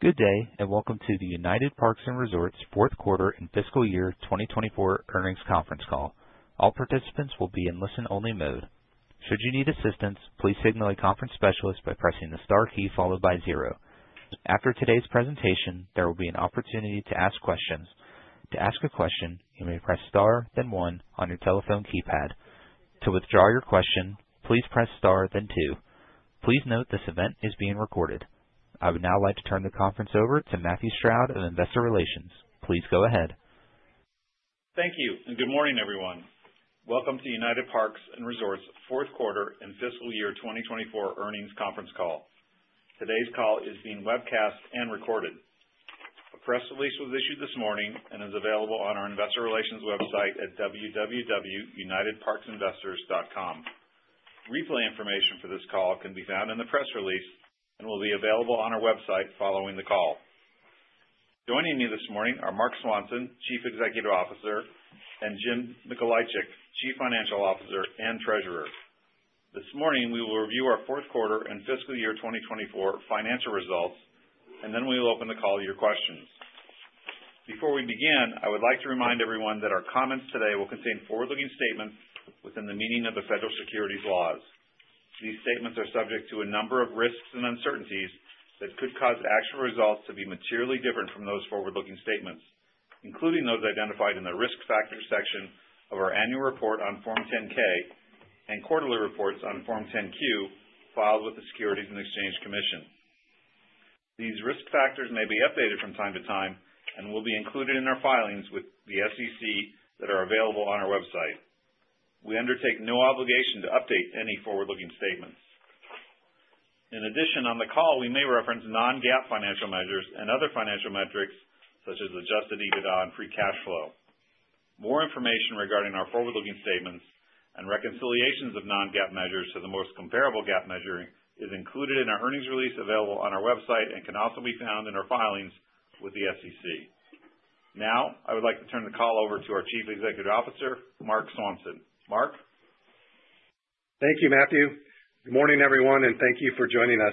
Good day, and welcome to the United Parks & Resorts fourth quarter and fiscal year 2024 Earnings Conference Call. All participants will be in listen-only mode. Should you need assistance, please signal a conference specialist by pressing the star key followed by zero? After today's presentation, there will be an opportunity to ask questions. To ask a question, you may press star, then one, on your telephone keypad. To withdraw your question, please press star, then two. Please note this event is being recorded. I would now like to turn the conference over to Matthew Stroud of Investor Relations. Please go ahead. Thank you, and good morning, everyone. Welcome to United Parks & Resorts fourth quarter and fiscal year 2024 earnings conference call. Today's call is being webcast and recorded. A press release was issued this morning and is available on our Investor Relations website at www.unitedparksinvestors.com. Replay information for this call can be found in the press release and will be available on our website following the call. Joining me this morning are Marc Swanson, Chief Executive Officer, and Jim Mikolaichik, Chief Financial Officer and Treasurer. This morning, we will review our fourth quarter and fiscal year 2024 financial results, and then we will open the call to your questions. Before we begin, I would like to remind everyone that our comments today will contain forward-looking statements within the meaning of the federal securities laws. These statements are subject to a number of risks and uncertainties that could cause actual results to be materially different from those forward-looking statements, including those identified in the risk factor section of our annual report on Form 10-K and quarterly reports on Form 10-Q filed with the Securities and Exchange Commission. These risk factors may be updated from time to time and will be included in our filings with the SEC that are available on our website. We undertake no obligation to update any forward-looking statements. In addition, on the call, we may reference non-GAAP financial measures and other financial metrics such as Adjusted EBITDA and Free Cash Flow. More information regarding our forward-looking statements and reconciliations of non-GAAP measures to the most comparable GAAP measure is included in our earnings release available on our website and can also be found in our filings with the SEC. Now, I would like to turn the call over to our Chief Executive Officer, Marc Swanson. Marc. Thank you, Matthew. Good morning, everyone, and thank you for joining us.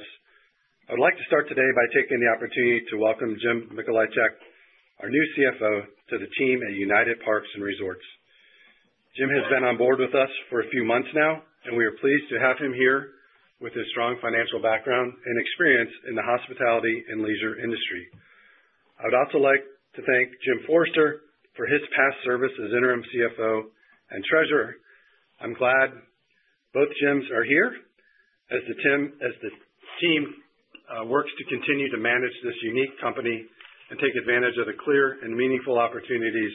I would like to start today by taking the opportunity to welcome Jim Mikolaichik, our new CFO, to the team at United Parks & Resorts. Jim has been on board with us for a few months now, and we are pleased to have him here with his strong financial background and experience in the hospitality and leisure industry. I would also like to thank Jim Forrester for his past service as interim CFO and treasurer. I'm glad both Jims are here as the team works to continue to manage this unique company and take advantage of the clear and meaningful opportunities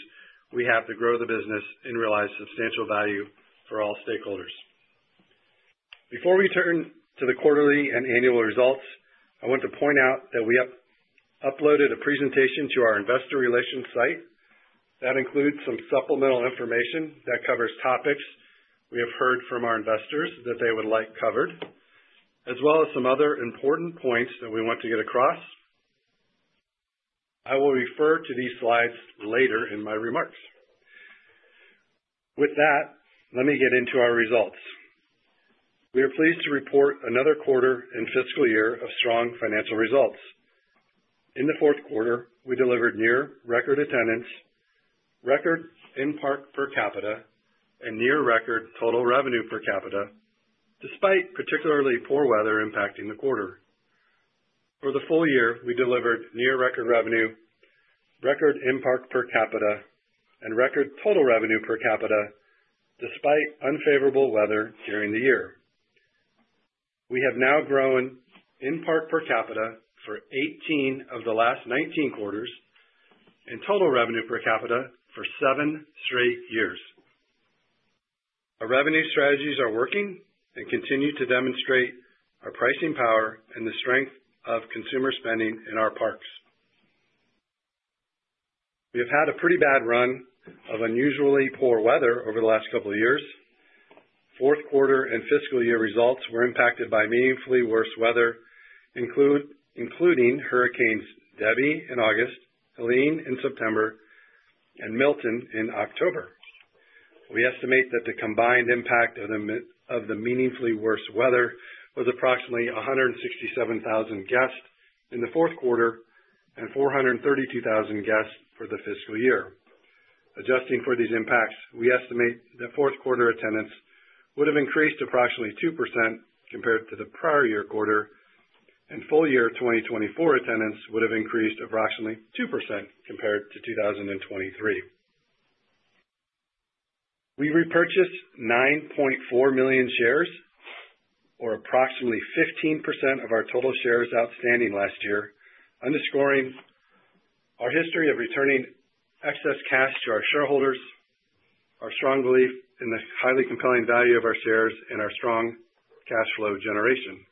we have to grow the business and realize substantial value for all stakeholders. Before we turn to the quarterly and annual results, I want to point out that we uploaded a presentation to our Investor Relations site that includes some supplemental information that covers topics we have heard from our investors that they would like covered, as well as some other important points that we want to get across. I will refer to these slides later in my remarks. With that, let me get into our results. We are pleased to report another quarter and fiscal year of strong financial results. In the fourth quarter, we delivered near record attendance, record in-park per-capita, and near record total revenue per-capita, despite particularly poor weather impacting the quarter. For the full year, we delivered near record revenue, record in-park per-capita, and record total revenue per-capita, despite unfavorable weather during the year. We have now grown in-park per-capita for 18 of the last 19 quarters and total revenue per-capita for seven straight years. Our revenue strategies are working and continue to demonstrate our pricing power and the strength of consumer spending in our parks. We have had a pretty bad run of unusually poor weather over the last couple of years. Fourth quarter and fiscal year results were impacted by meaningfully worse weather, including hurricanes Debby in August, Helene in September, and Milton in October. We estimate that the combined impact of the meaningfully worse weather was approximately 167,000 guests in the fourth quarter and 432,000 guests for the fiscal year. Adjusting for these impacts, we estimate that fourth quarter attendance would have increased approximately 2% compared to the prior year quarter, and full year 2024 attendance would have increased approximately 2% compared to 2023. We repurchased 9.4 million shares, or approximately 15% of our total shares outstanding last year, underscoring our history of returning excess cash to our shareholders, our strong belief in the highly compelling value of our shares, and our strong cash flow generation.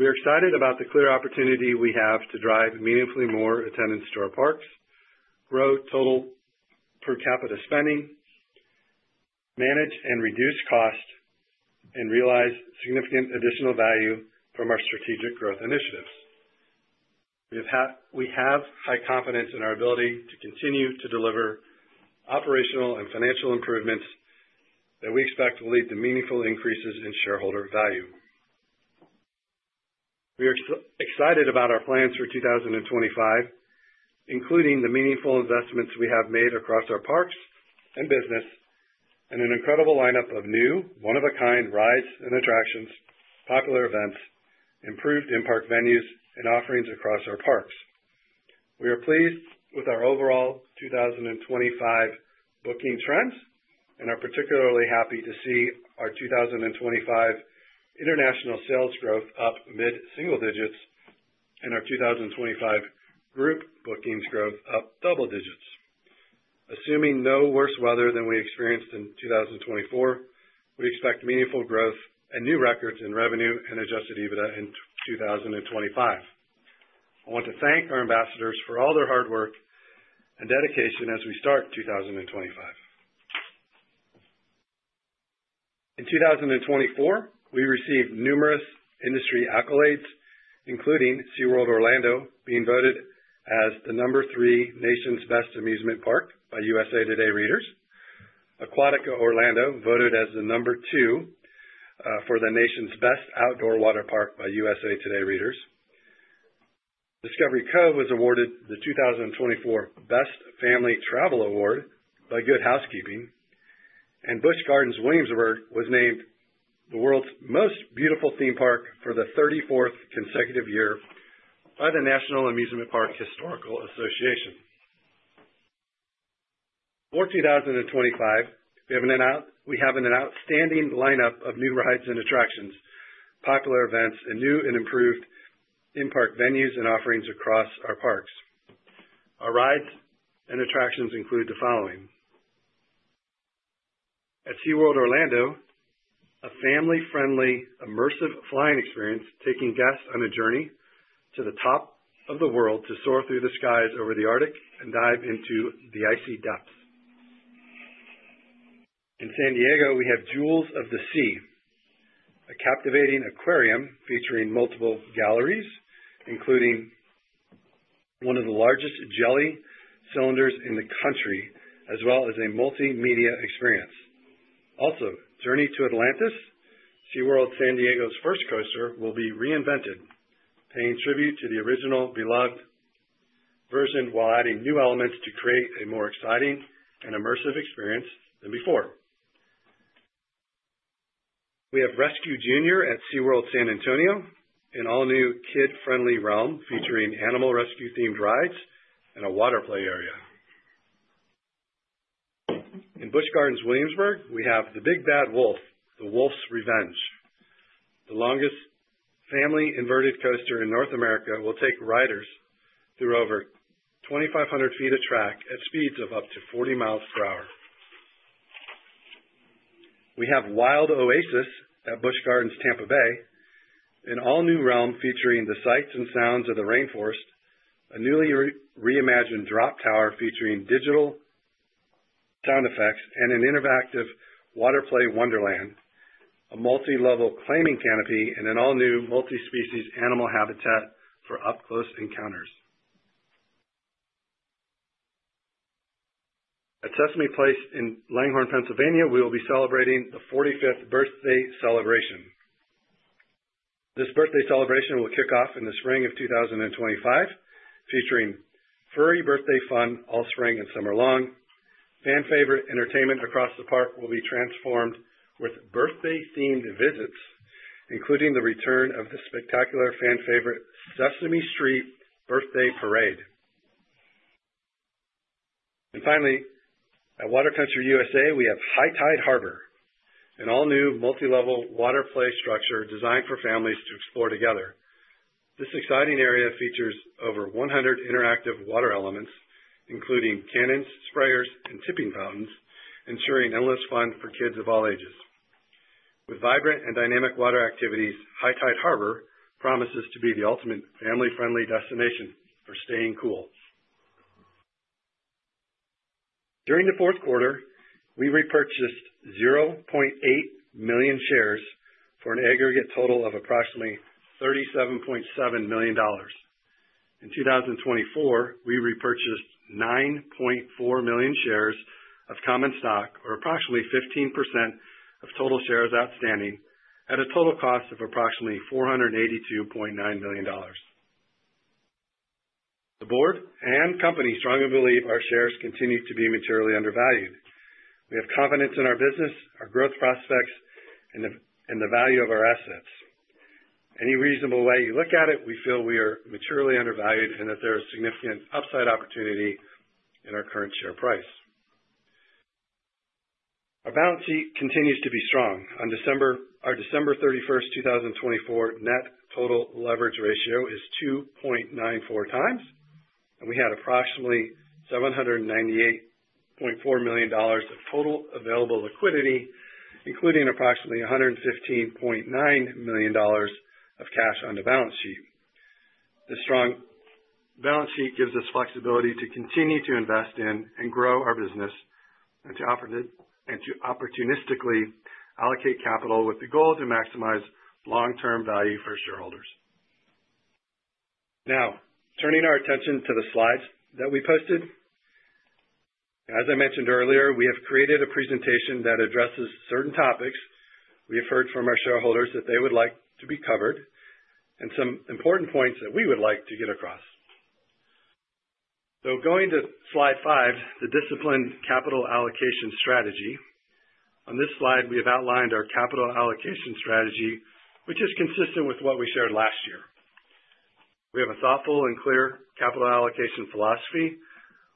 We are excited about the clear opportunity we have to drive meaningfully more attendance to our parks, grow total per-capita spending, manage and reduce cost, and realize significant additional value from our strategic growth initiatives. We have high confidence in our ability to continue to deliver operational and financial improvements that we expect will lead to meaningful increases in shareholder value. We are excited about our plans for 2025, including the meaningful investments we have made across our parks and business and an incredible lineup of new, one-of-a-kind rides and attractions, popular events, improved in-park venues, and offerings across our parks. We are pleased with our overall 2025 booking trends and are particularly happy to see our 2025 international sales growth up mid-single digits and our 2025 group bookings growth up double digits. Assuming no worse weather than we experienced in 2024, we expect meaningful growth and new records in revenue and Adjusted EBITDA in 2025. I want to thank our ambassadors for all their hard work and dedication as we start 2025. In 2024, we received numerous industry accolades, including SeaWorld Orlando being voted as the number three nation's best amusement park by USA Today readers. Aquatica Orlando voted as the number two for the nation's best outdoor water park by USA Today readers. Discovery Cove was awarded the 2024 Best Family Travel Award by Good Housekeeping, and Busch Gardens Williamsburg was named the world's most beautiful theme park for the 34th consecutive year by the National Amusement Park Historical Association. For 2025, we have an outstanding lineup of new rides and attractions, popular events, and new and improved in-park venues and offerings across our parks. Our rides and attractions include the following. At SeaWorld Orlando, a family-friendly, immersive flying experience taking guests on a journey to the top of the world to soar through the skies over the Arctic and dive into the icy depths. In San Diego, we have Jewels of the Sea, a captivating aquarium featuring multiple galleries, including one of the largest jelly cylinders in the country, as well as a multimedia experience. Also, Journey to Atlantis, SeaWorld San Diego's first coaster, will be reinvented, paying tribute to the original beloved version while adding new elements to create a more exciting and immersive experience than before. We have Rescue Junior at SeaWorld San Antonio, an all-new kid-friendly realm featuring animal rescue-themed rides and a water play area. In Busch Gardens Williamsburg, we have The Big Bad Wolf: The Wolf's Revenge. The longest family inverted coaster in North America will take riders through over 2,500 ft of track at speeds of up to 40 mi per hour. We have Wild Oasis at Busch Gardens Tampa Bay, an all-new realm featuring the sights and sounds of the rainforest, a newly reimagined drop tower featuring digital sound effects and an interactive water play wonderland, a multi-level climbing canopy, and an all-new multi-species animal habitat for up-close encounters. At Sesame Place in Langhorne, Pennsylvania, we will be celebrating the 45th birthday celebration. This birthday celebration will kick off in the spring of 2025, featuring furry birthday fun all spring and summer long. Fan-favorite entertainment across the park will be transformed with birthday-themed visits, including the return of the spectacular fan-favorite Sesame Street Birthday Parade. And finally, at Water Country USA, we have High Tide Harbor, an all-new multi-level water play structure designed for families to explore together. This exciting area features over 100 interactive water elements, including cannons, sprayers, and tipping fountains, ensuring endless fun for kids of all ages. With vibrant and dynamic water activities, High Tide Harbor promises to be the ultimate family-friendly destination for staying cool. During the fourth quarter, we repurchased 0.8 million shares for an aggregate total of approximately $37.7 million. In 2024, we repurchased 9.4 million shares of common stock, or approximately 15% of total shares outstanding, at a total cost of approximately $482.9 million. The board and company strongly believe our shares continue to be materially undervalued. We have confidence in our business, our growth prospects, and the value of our assets. Any reasonable way you look at it, we feel we are materially undervalued and that there is significant upside opportunity in our current share price. Our balance sheet continues to be strong. As of December 31st, 2024, our net total leverage ratio is 2.94 times, and we had approximately $798.4 million of total available liquidity, including approximately $115.9 million of cash on the balance sheet. The strong balance sheet gives us flexibility to continue to invest in and grow our business and to opportunistically allocate capital with the goal to maximize long-term value for shareholders. Now, turning our attention to the slides that we posted. As I mentioned earlier, we have created a presentation that addresses certain topics we have heard from our shareholders that they would like to be covered and some important points that we would like to get across, so going to slide five, the disciplined capital allocation strategy. On this slide, we have outlined our capital allocation strategy, which is consistent with what we shared last year. We have a thoughtful and clear capital allocation philosophy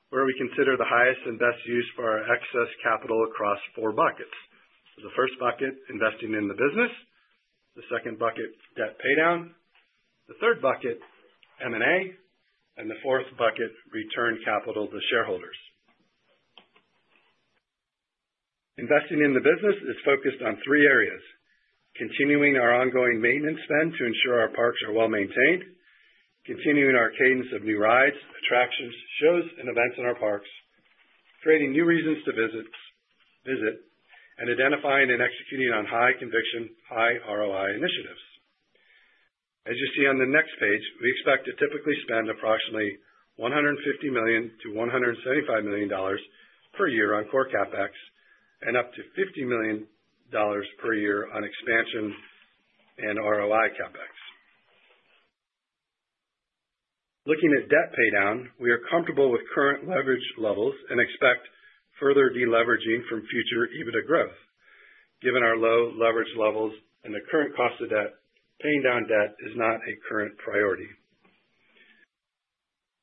where we consider the highest and best use for our excess capital across four buckets. The first bucket, investing in the business, the second bucket, debt paydown, the third bucket, M&A, and the fourth bucket, return capital to shareholders. Investing in the business is focused on three areas: continuing our ongoing maintenance spend to ensure our parks are well maintained, continuing our cadence of new rides, attractions, shows, and events in our parks, creating new reasons to visit, and identifying and executing on high conviction, high ROI initiatives. As you see on the next page, we expect to typically spend approximately $150 million to $175 million per year on core CapEx and up to $50 million per year on expansion and ROI CapEx. Looking at debt paydown, we are comfortable with current leverage levels and expect further deleveraging from future EBITDA growth. Given our low leverage levels and the current cost of debt, paying down debt is not a current priority.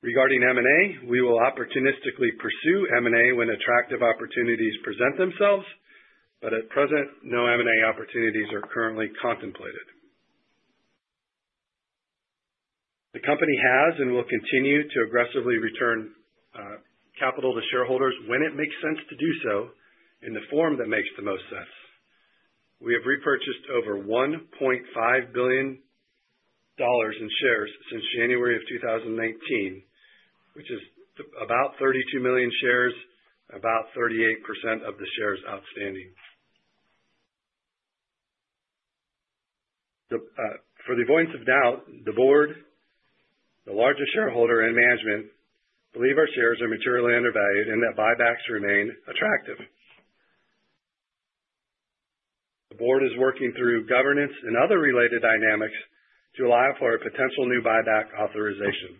Regarding M&A, we will opportunistically pursue M&A when attractive opportunities present themselves, but at present, no M&A opportunities are currently contemplated. The company has and will continue to aggressively return capital to shareholders when it makes sense to do so in the form that makes the most sense. We have repurchased over $1.5 billion in shares since January of 2019, which is about 32 million shares, about 38% of the shares outstanding. For now, the board, the largest shareholder and management, believe our shares are materially undervalued and that buybacks remain attractive. The board is working through governance and other related dynamics to allow for a potential new buyback authorization.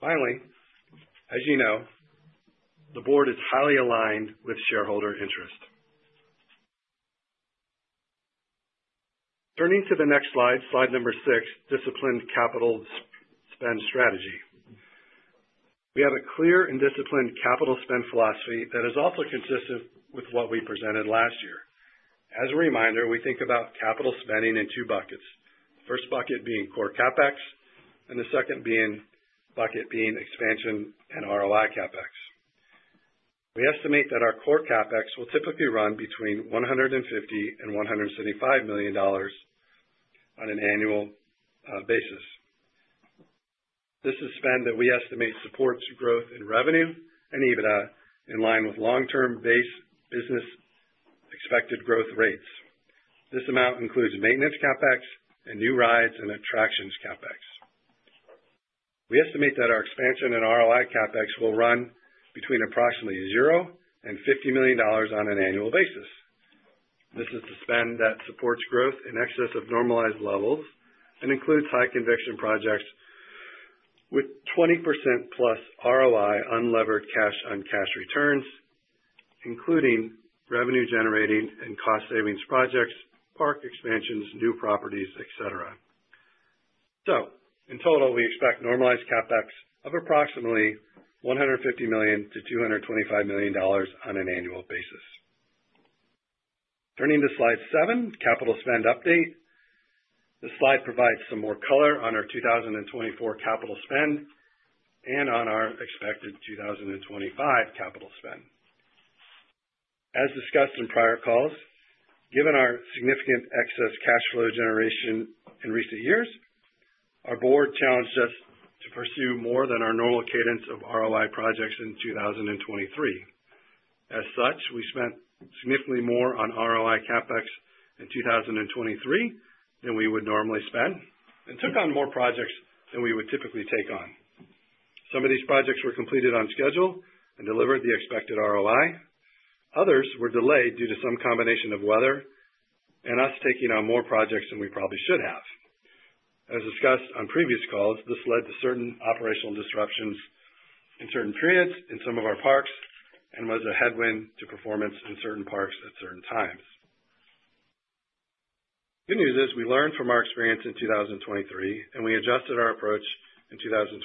Finally, as you know, the board is highly aligned with shareholder interest. Turning to the next slide, slide number six, disciplined capital spend strategy. We have a clear and disciplined capital spend philosophy that is also consistent with what we presented last year. As a reminder, we think about capital spending in two buckets, the first bucket being core CapEx and the second bucket being expansion and ROI CapEx. We estimate that our core CapEx will typically run between $150 and $175 million on an annual basis. This is spend that we estimate supports growth in revenue and EBITDA in line with long-term base business expected growth rates. This amount includes maintenance CapEx and new rides and attractions CapEx. We estimate that our expansion and ROI CapEx will run between approximately $0 and $50 million on an annual basis. This is the spend that supports growth in excess of normalized levels and includes high conviction projects with 20% plus ROI unlevered cash on cash returns, including revenue-generating and cost-savings projects, park expansions, new properties, etc. So in total, we expect normalized CapEx of approximately $150 million to $225 million on an annual basis. Turning to slide seven, capital spend update. The slide provides some more color on our 2024 capital spend and on our expected 2025 capital spend. As discussed in prior calls, given our significant excess cash flow generation in recent years, our board challenged us to pursue more than our normal cadence of ROI projects in 2023. As such, we spent significantly more on ROI CapEx in 2023 than we would normally spend and took on more projects than we would typically take on. Some of these projects were completed on schedule and delivered the expected ROI. Others were delayed due to some combination of weather and us taking on more projects than we probably should have. As discussed on previous calls, this led to certain operational disruptions in certain periods in some of our parks and was a headwind to performance in certain parks at certain times. Good news is we learned from our experience in 2023, and we adjusted our approach in 2024.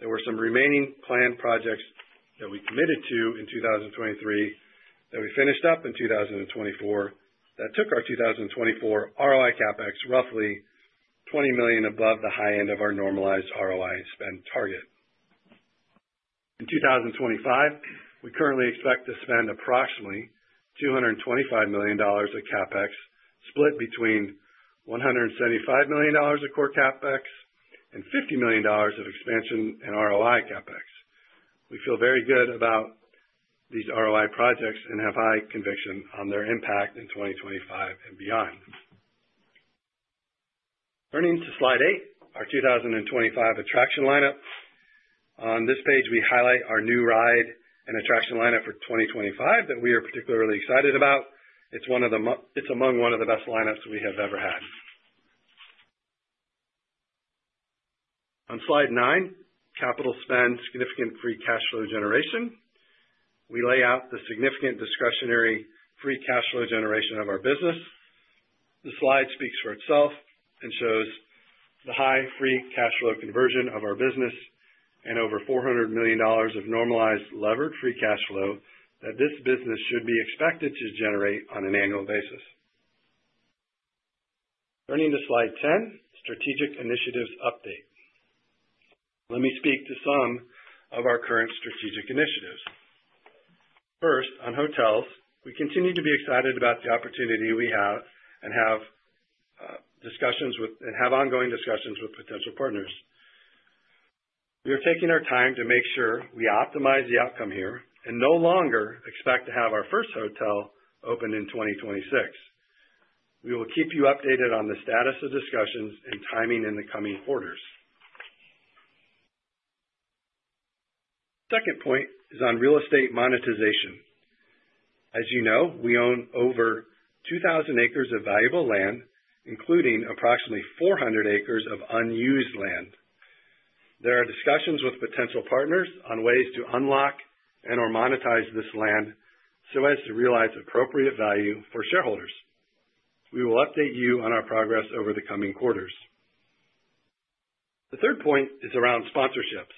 There were some remaining planned projects that we committed to in 2023 that we finished up in 2024 that took our 2024 ROI CapEx roughly $20 million above the high end of our normalized ROI spend target. In 2025, we currently expect to spend approximately $225 million of CapEx split between $175 million of core CapEx and $50 million of expansion and ROI CapEx. We feel very good about these ROI projects and have high conviction on their impact in 2025 and beyond. Turning to slide eight, our 2025 attraction lineup. On this page, we highlight our new ride and attraction lineup for 2025 that we are particularly excited about. It's among one of the best lineups we have ever had. On slide nine, capital spend, significant free cash flow generation. We lay out the significant discretionary free cash flow generation of our business. The slide speaks for itself and shows the high free cash flow conversion of our business and over $400 million of normalized levered free cash flow that this business should be expected to generate on an annual basis. Turning to slide 10, strategic initiatives update. Let me speak to some of our current strategic initiatives. First, on hotels, we continue to be excited about the opportunity we have and have discussions with and have ongoing discussions with potential partners. We are taking our time to make sure we optimize the outcome here and no longer expect to have our first hotel open in 2026. We will keep you updated on the status of discussions and timing in the coming quarters. Second point is on real estate monetization. As you know, we own over 2,000 acres of valuable land, including approximately 400 acres of unused land. There are discussions with potential partners on ways to unlock and/or monetize this land so as to realize appropriate value for shareholders. We will update you on our progress over the coming quarters. The third point is around sponsorships.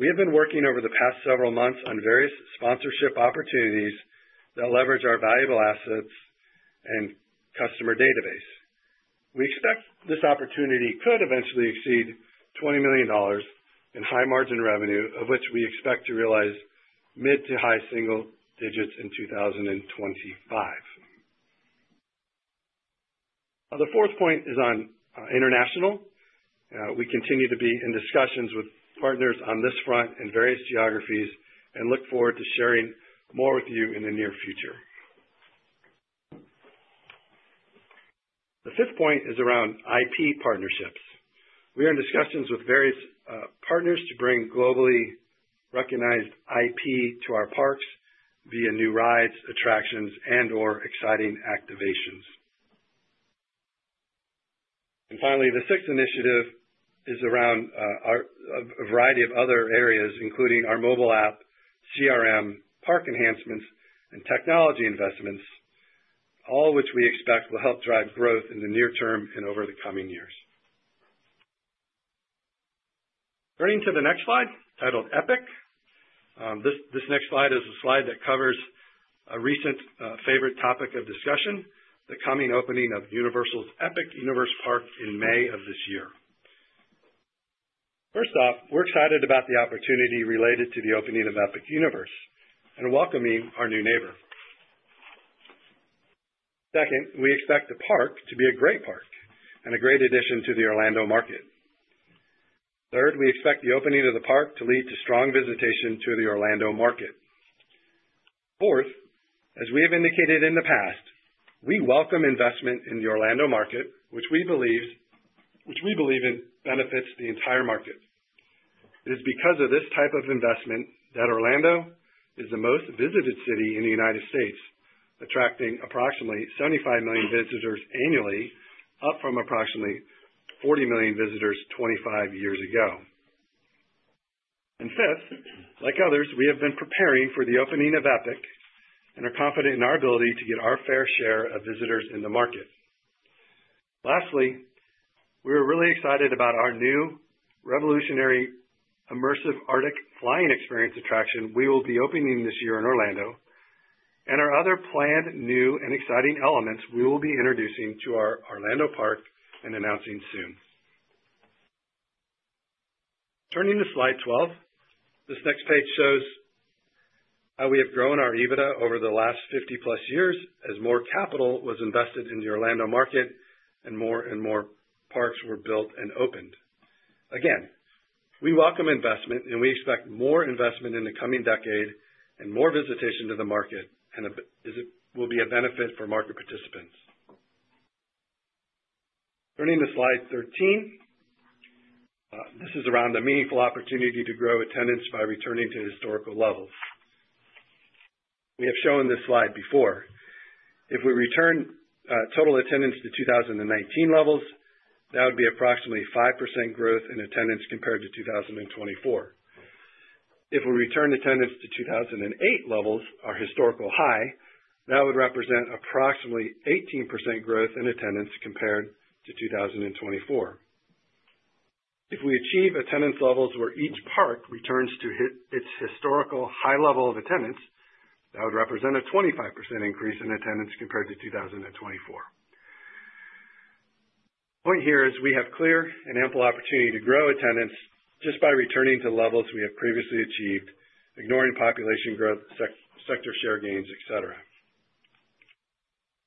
We have been working over the past several months on various sponsorship opportunities that leverage our valuable assets and customer database. We expect this opportunity could eventually exceed $20 million in high margin revenue, of which we expect to realize mid to high single digits in 2025. The fourth point is on international. We continue to be in discussions with partners on this front in various geographies and look forward to sharing more with you in the near future. The fifth point is around IP partnerships. We are in discussions with various partners to bring globally recognized IP to our parks via new rides, attractions, and/or exciting activations. And finally, the sixth initiative is around a variety of other areas, including our mobile app, CRM, park enhancements, and technology investments, all of which we expect will help drive growth in the near term and over the coming years. Turning to the next slide titled Epic. This next slide is a slide that covers a recent favorite topic of discussion, the coming opening of Universal's Epic Universe Park in May of this year. First off, we're excited about the opportunity related to the opening of Epic Universe and welcoming our new neighbor. Second, we expect the park to be a great park and a great addition to the Orlando market. Third, we expect the opening of the park to lead to strong visitation to the Orlando market. Fourth, as we have indicated in the past, we welcome investment in the Orlando market, which we believe benefits the entire market. It is because of this type of investment that Orlando is the most visited city in the United States, attracting approximately 75 million visitors annually, up from approximately 40 million visitors 25 years ago. And fifth, like others, we have been preparing for the opening of Epic and are confident in our ability to get our fair share of visitors in the market. Lastly, we are really excited about our new revolutionary immersive Arctic flying experience attraction we will be opening this year in Orlando and our other planned new and exciting elements we will be introducing to our Orlando park and announcing soon. Turning to slide 12, this next page shows how we have grown our EBITDA over the last 50 plus years as more capital was invested in the Orlando market and more and more parks were built and opened. Again, we welcome investment and we expect more investment in the coming decade and more visitation to the market and will be a benefit for market participants. Turning to slide 13, this is around a meaningful opportunity to grow attendance by returning to historical levels. We have shown this slide before. If we return total attendance to 2019 levels, that would be approximately 5% growth in attendance compared to 2024. If we return attendance to 2008 levels, our historical high, that would represent approximately 18% growth in attendance compared to 2024. If we achieve attendance levels where each park returns to its historical high level of attendance, that would represent a 25% increase in attendance compared to 2024. The point here is we have clear and ample opportunity to grow attendance just by returning to levels we have previously achieved, ignoring population growth, sector share gains, etc.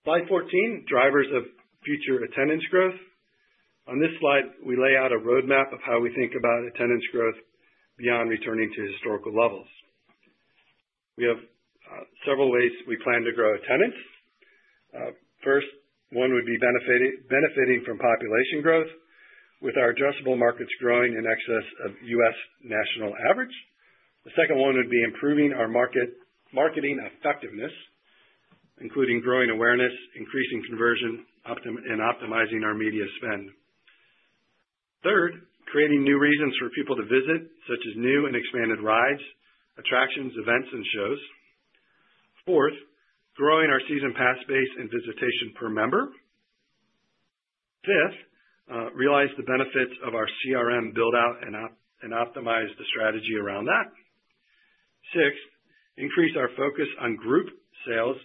Slide 14: Drivers of future attendance growth. On this slide, we lay out a roadmap of how we think about attendance growth beyond returning to historical levels. We have several ways we plan to grow attendance. First, one would be benefiting from population growth with our addressable markets growing in excess of U.S. national average. The second one would be improving our marketing effectiveness, including growing awareness, increasing conversion, and optimizing our media spend. Third, creating new reasons for people to visit, such as new and expanded rides, attractions, events, and shows. Fourth, growing our season pass base and visitation per member. Fifth, realize the benefits of our CRM buildout and optimize the strategy around that. Sixth, increase our focus on group sales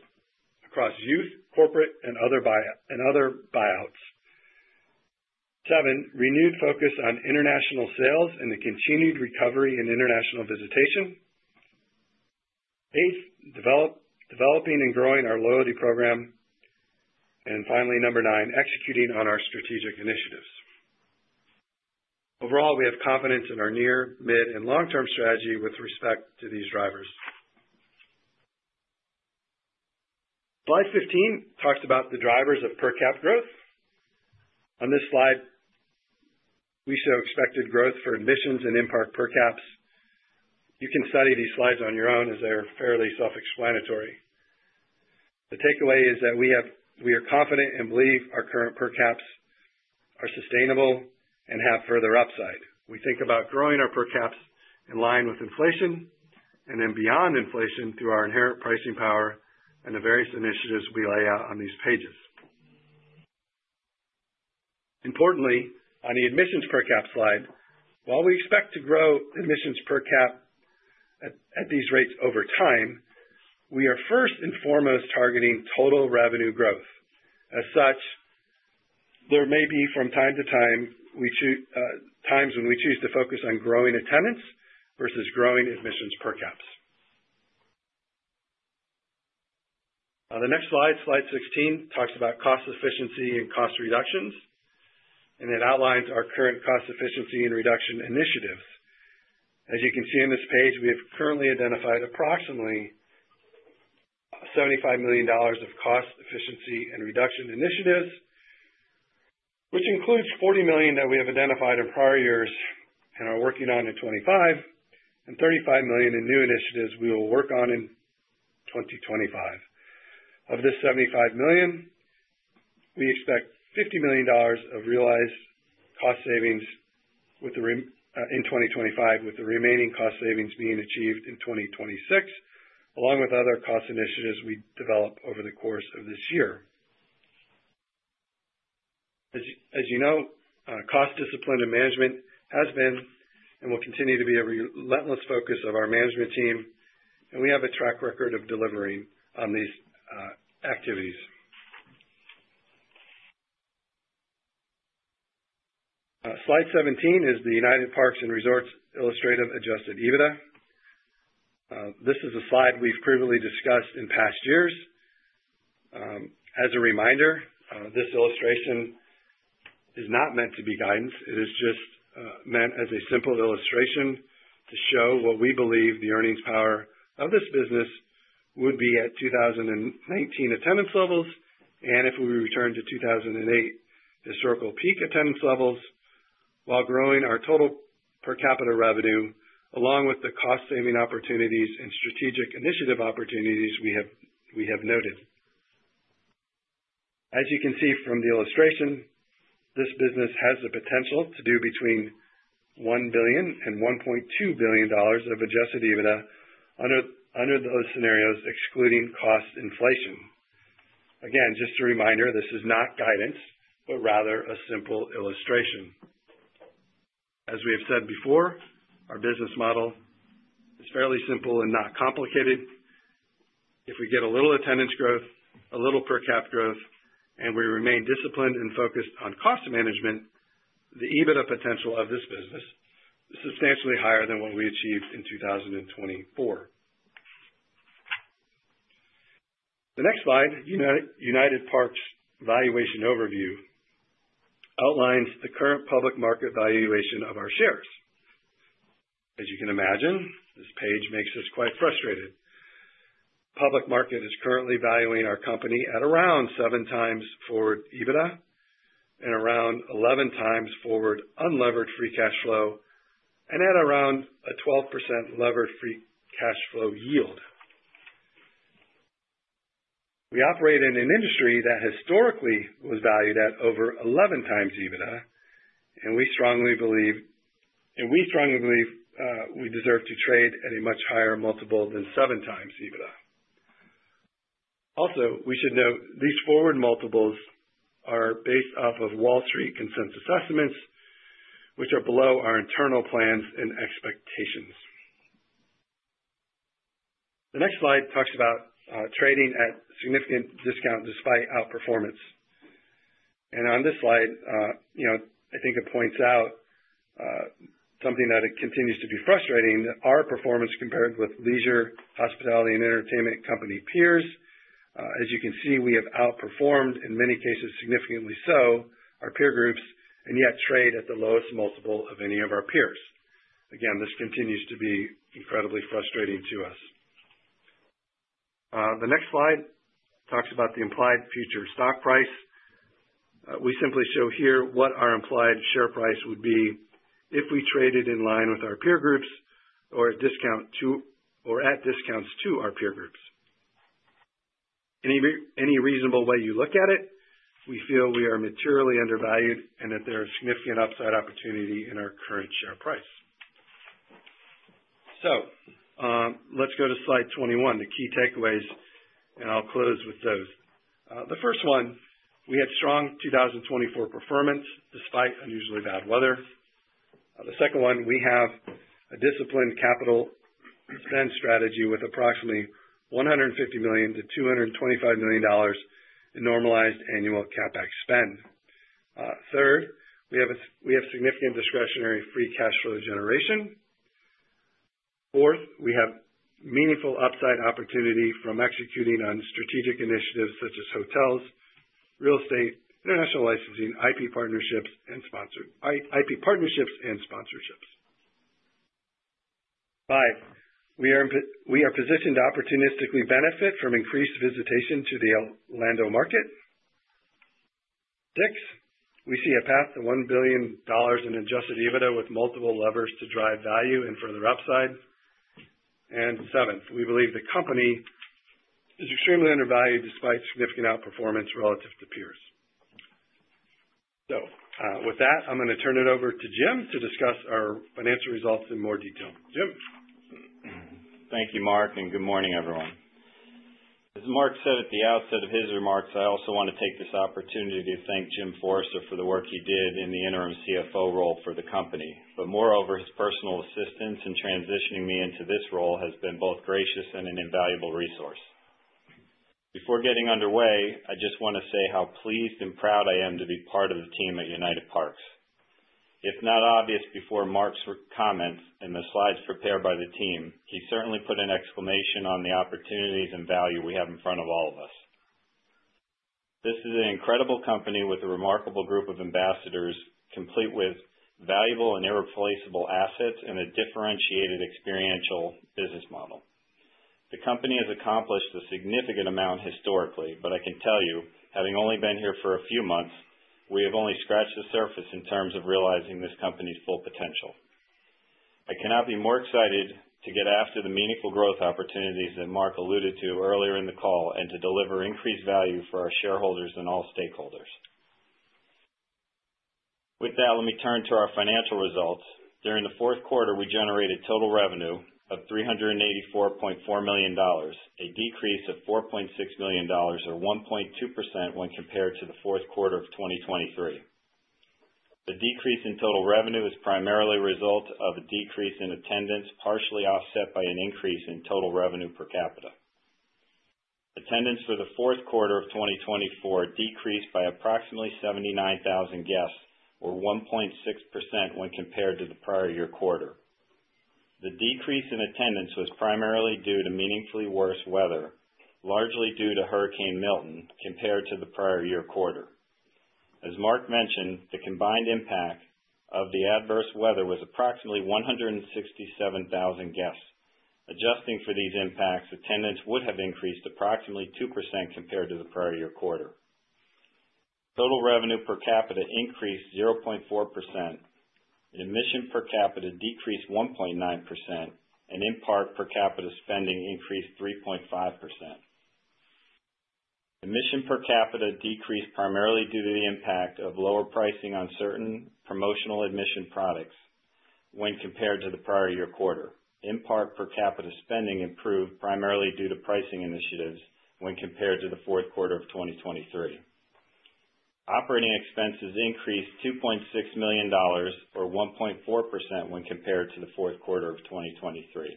across youth, corporate, and other buyouts. Seven, renewed focus on international sales and the continued recovery in international visitation. Eighth, developing and growing our loyalty program. And finally, number nine, executing on our strategic initiatives. Overall, we have confidence in our near, mid, and long-term strategy with respect to these drivers. Slide 15 talks about the drivers of per cap growth. On this slide, we show expected growth for admissions and impact per-caps. You can study these slides on your own as they are fairly self-explanatory. The takeaway is that we are confident and believe our current per-caps are sustainable and have further upside. We think about growing our per-caps in line with inflation and then beyond inflation through our inherent pricing power and the various initiatives we lay out on these pages. Importantly, on the admissions per-cap slide, while we expect to grow admissions per-cap at these rates over time, we are first and foremost targeting total revenue growth. As such, there may be from time to time when we choose to focus on growing attendance versus growing admissions per-caps. On the next slide, slide 16 talks about cost efficiency and cost reductions, and it outlines our current cost efficiency and reduction initiatives. As you can see on this page, we have currently identified approximately $75 million of cost efficiency and reduction initiatives, which includes $40 million that we have identified in prior years and are working on in 2025, and $35 million in new initiatives we will work on in 2025. Of this $75 million, we expect $50 million of realized cost savings in 2025, with the remaining cost savings being achieved in 2026, along with other cost initiatives we develop over the course of this year. As you know, cost discipline and management has been and will continue to be a relentless focus of our management team, and we have a track record of delivering on these activities. Slide 17 is the United Parks & Resorts Illustrative Adjusted EBITDA. This is a slide we've previously discussed in past years. As a reminder, this illustration is not meant to be guidance. It is just meant as a simple illustration to show what we believe the earnings power of this business would be at 2019 attendance levels and if we return to 2008 historical peak attendance levels while growing our total per-capita revenue along with the cost-saving opportunities and strategic initiative opportunities we have noted. As you can see from the illustration, this business has the potential to do between $1 billion and $1.2 billion of Adjusted EBITDA under those scenarios, excluding cost inflation. Again, just a reminder, this is not guidance, but rather a simple illustration. As we have said before, our business model is fairly simple and not complicated. If we get a little attendance growth, a little per cap growth, and we remain disciplined and focused on cost management, the EBITDA potential of this business is substantially higher than what we achieved in 2024. The next slide, United Parks Valuation Overview, outlines the current public market valuation of our shares. As you can imagine, this page makes us quite frustrated. Public market is currently valuing our company at around seven times forward EBITDA and around 11 times forward unlevered free cash flow and at around a 12% levered free cash flow yield. We operate in an industry that historically was valued at over 11 times EBITDA, and we strongly believe we deserve to trade at a much higher multiple than seven times EBITDA. Also, we should note these forward multiples are based off of Wall Street consensus estimates, which are below our internal plans and expectations. The next slide talks about trading at significant discount despite outperformance, and on this slide, I think it points out something that continues to be frustrating, our performance compared with leisure, hospitality, and entertainment company peers. As you can see, we have outperformed in many cases significantly so our peer groups and yet trade at the lowest multiple of any of our peers. Again, this continues to be incredibly frustrating to us. The next slide talks about the implied future stock price. We simply show here what our implied share price would be if we traded in line with our peer groups or at discounts to our peer groups. Any reasonable way you look at it, we feel we are materially undervalued and that there is significant upside opportunity in our current share price. So let's go to slide 21, the key takeaways, and I'll close with those. The first one, we had strong 2024 performance despite unusually bad weather. The second one, we have a disciplined capital spend strategy with approximately $150 million to $225 million in normalized annual CapEx spend. Third, we have significant discretionary free cash flow generation. Fourth, we have meaningful upside opportunity from executing on strategic initiatives such as hotels, real estate, international licensing, IP partnerships, and sponsorships. Five, we are positioned to opportunistically benefit from increased visitation to the Orlando market. Six, we see a path to $1 billion in Adjusted EBITDA with multiple levers to drive value and further upside, and seventh, we believe the company is extremely undervalued despite significant outperformance relative to peers. So with that, I'm going to turn it over to Jim to discuss our financial results in more detail Jim. Thank you, Marc, and good morning, everyone. As Marc said at the outset of his remarks, I also want to take this opportunity to thank Jim Forrester for the work he did in the interim CFO role for the company. But moreover, his personal assistance in transitioning me into this role has been both gracious and an invaluable resource. Before getting underway, I just want to say how pleased and proud I am to be part of the team at United Parks. It's not obvious before Marc's comments and the slides prepared by the team. He certainly put an exclamation on the opportunities and value we have in front of all of us. This is an incredible company with a remarkable group of ambassadors, complete with valuable and irreplaceable assets and a differentiated experiential business model. The company has accomplished a significant amount historically, but I can tell you, having only been here for a few months, we have only scratched the surface in terms of realizing this company's full potential. I cannot be more excited to get after the meaningful growth opportunities that Marc alluded to earlier in the call and to deliver increased value for our shareholders and all stakeholders. With that, let me turn to our financial results. During the fourth quarter, we generated total revenue of $384.4 million, a decrease of $4.6 million or 1.2% when compared to the fourth quarter of 2023. The decrease in total revenue is primarily a result of a decrease in attendance partially offset by an increase in total revenue per-capita. Attendance for the fourth quarter of 2024 decreased by approximately 79,000 guests or 1.6% when compared to the prior year quarter. The decrease in attendance was primarily due to meaningfully worse weather, largely due to Hurricane Milton, compared to the prior year quarter. As Marc mentioned, the combined impact of the adverse weather was approximately 167,000 guests. Adjusting for these impacts, attendance would have increased approximately 2% compared to the prior year quarter. Total revenue per-capita increased 0.4%. Admission per-capita decreased 1.9%, and in-park per-capita spending increased 3.5%. Admission per-capita decreased primarily due to the impact of lower pricing on certain promotional admission products when compared to the prior year quarter. In-park per-capita spending improved primarily due to pricing initiatives when compared to the fourth quarter of 2023. Operating expenses increased $2.6 million or 1.4% when compared to the fourth quarter of 2023.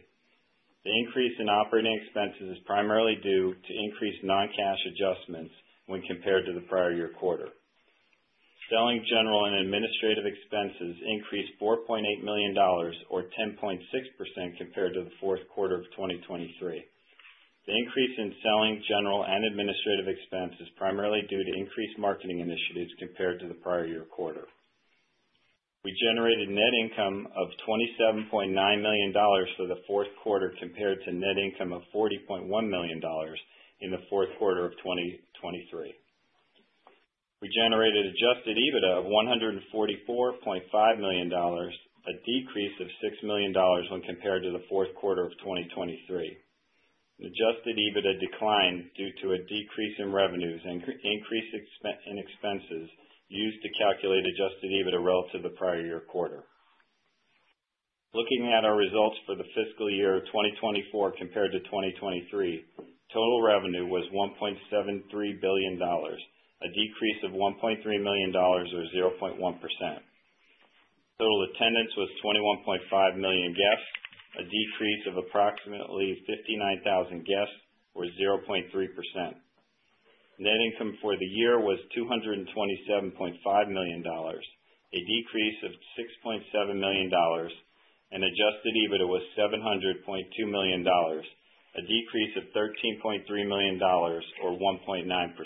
The increase in operating expenses is primarily due to increased non-cash adjustments when compared to the prior year quarter. Selling general and administrative expenses increased $4.8 million or 10.6% compared to the fourth quarter of 2023. The increase in selling general and administrative expenses is primarily due to increased marketing initiatives compared to the prior year quarter. We generated net income of $27.9 million for the fourth quarter compared to net income of $40.1 million in the fourth quarter of 2023. We generated adjusted EBITDA of $144.5 million, a decrease of $6 million when compared to the fourth quarter of 2023. Adjusted EBITDA declined due to a decrease in revenues and an increase in expenses used to calculate adjusted EBITDA relative to the prior year quarter. Looking at our results for the fiscal year of 2024 compared to 2023, total revenue was $1.73 billion, a decrease of $1.3 million or 0.1%. Total attendance was 21.5 million guests, a decrease of approximately 59,000 guests or 0.3%. Net income for the year was $227.5 million, a decrease of $6.7 million, and adjusted EBITDA was $700.2 million, a decrease of $13.3 million or 1.9%.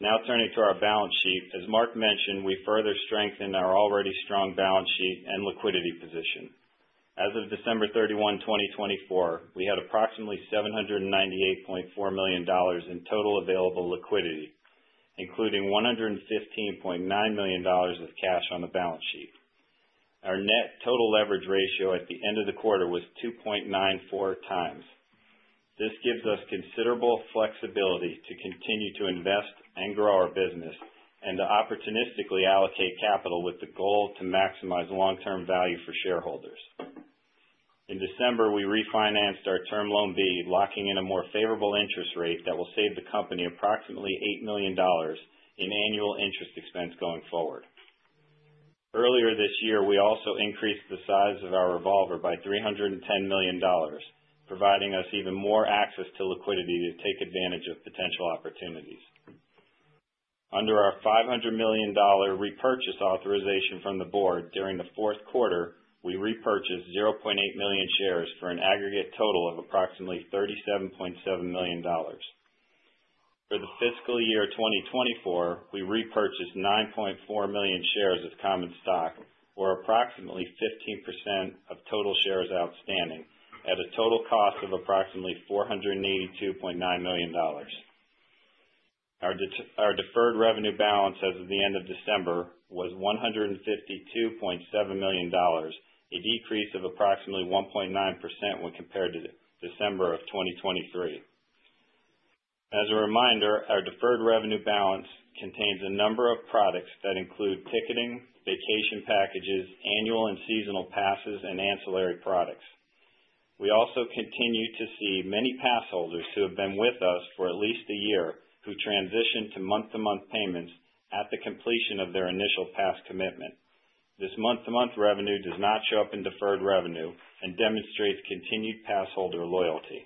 Now turning to our balance sheet, as Marc mentioned, we further strengthened our already strong balance sheet and liquidity position. As of December 31, 2024, we had approximately $798.4 million in total available liquidity, including $115.9 million of cash on the balance sheet. Our Net Total Leverage Ratio at the end of the quarter was 2.94 times. This gives us considerable flexibility to continue to invest and grow our business and to opportunistically allocate capital with the goal to maximize long-term value for shareholders. In December, we refinanced our Term Loan B, locking in a more favorable interest rate that will save the company approximately $8 million in annual interest expense going forward. Earlier this year, we also increased the size of our Revolver by $310 million, providing us even more access to liquidity to take advantage of potential opportunities. Under our $500 million repurchase authorization from the board during the fourth quarter, we repurchased 0.8 million shares for an aggregate total of approximately $37.7 million. For the fiscal year 2024, we repurchased 9.4 million shares of common stock, or approximately 15% of total shares outstanding, at a total cost of approximately $482.9 million. Our deferred revenue balance as of the end of December was $152.7 million, a decrease of approximately 1.9% when compared to December of 2023. As a reminder, our deferred revenue balance contains a number of products that include ticketing, vacation packages, annual and seasonal passes, and ancillary products. We also continue to see many passholders who have been with us for at least a year who transitioned to month-to-month payments at the completion of their initial pass commitment. This month-to-month revenue does not show up in deferred revenue and demonstrates continued passholder loyalty.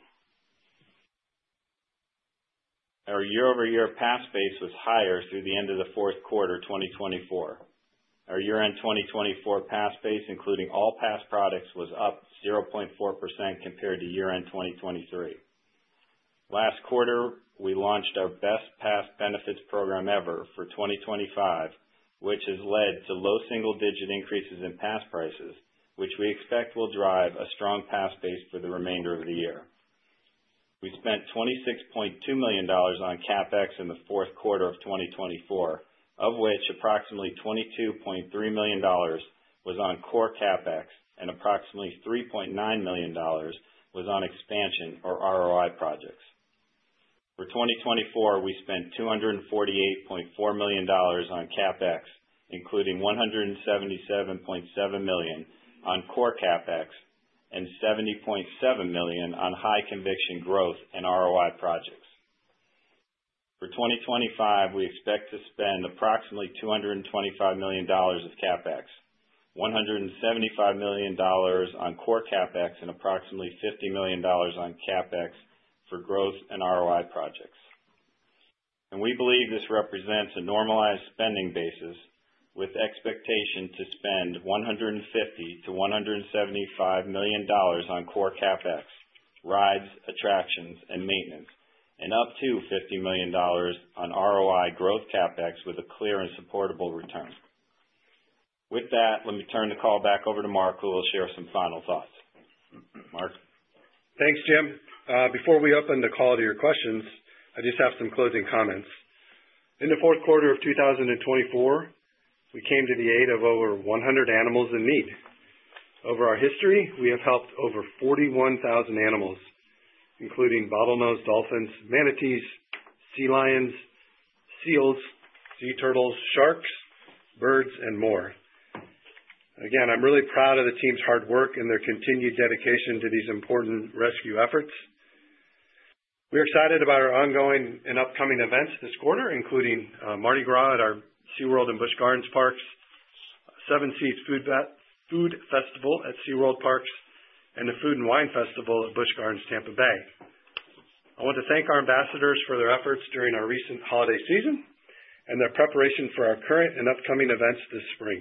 Our year-over-year pass base was higher through the end of the fourth quarter 2024. Our year-end 2024 pass base, including all pass products, was up 0.4% compared to year-end 2023. Last quarter, we launched our best pass benefits program ever for 2025, which has led to low single-digit increases in pass prices, which we expect will drive a strong pass base for the remainder of the year. We spent $26.2 million on CapEx in the fourth quarter of 2024, of which approximately $22.3 million was on core CapEx and approximately $3.9 million was on expansion or ROI projects. For 2024, we spent $248.4 million on CapEx, including $177.7 million on core CapEx and $70.7 million on high-conviction growth and ROI projects. For 2025, we expect to spend approximately $225 million of CapEx, $175 million on core CapEx, and approximately $50 million on CapEx for growth and ROI projects. We believe this represents a normalized spending basis with expectation to spend $150-$175 million on core CapEx, rides, attractions, and maintenance, and up to $50 million on ROI growth CapEx with a clear and supportable return. With that, let me turn the call back over to Marc who will share some final thoughts. Marc? Thanks, Jim. Before we open the call to your questions, I just have some closing comments. In the fourth quarter of 2024, we came to the aid of over 100 animals in need. Over our history, we have helped over 41,000 animals, including bottlenose dolphins, manatees, sea lions, seals, sea turtles, sharks, birds, and more. Again, I'm really proud of the team's hard work and their continued dedication to these important rescue efforts. We're excited about our ongoing and upcoming events this quarter, including Mardi Gras at our SeaWorld and Busch Gardens parks, Seven Seas Food Festival at SeaWorld parks, and the Food and Wine Festival at Busch Gardens Tampa Bay. I want to thank our ambassadors for their efforts during our recent holiday season and their preparation for our current and upcoming events this spring.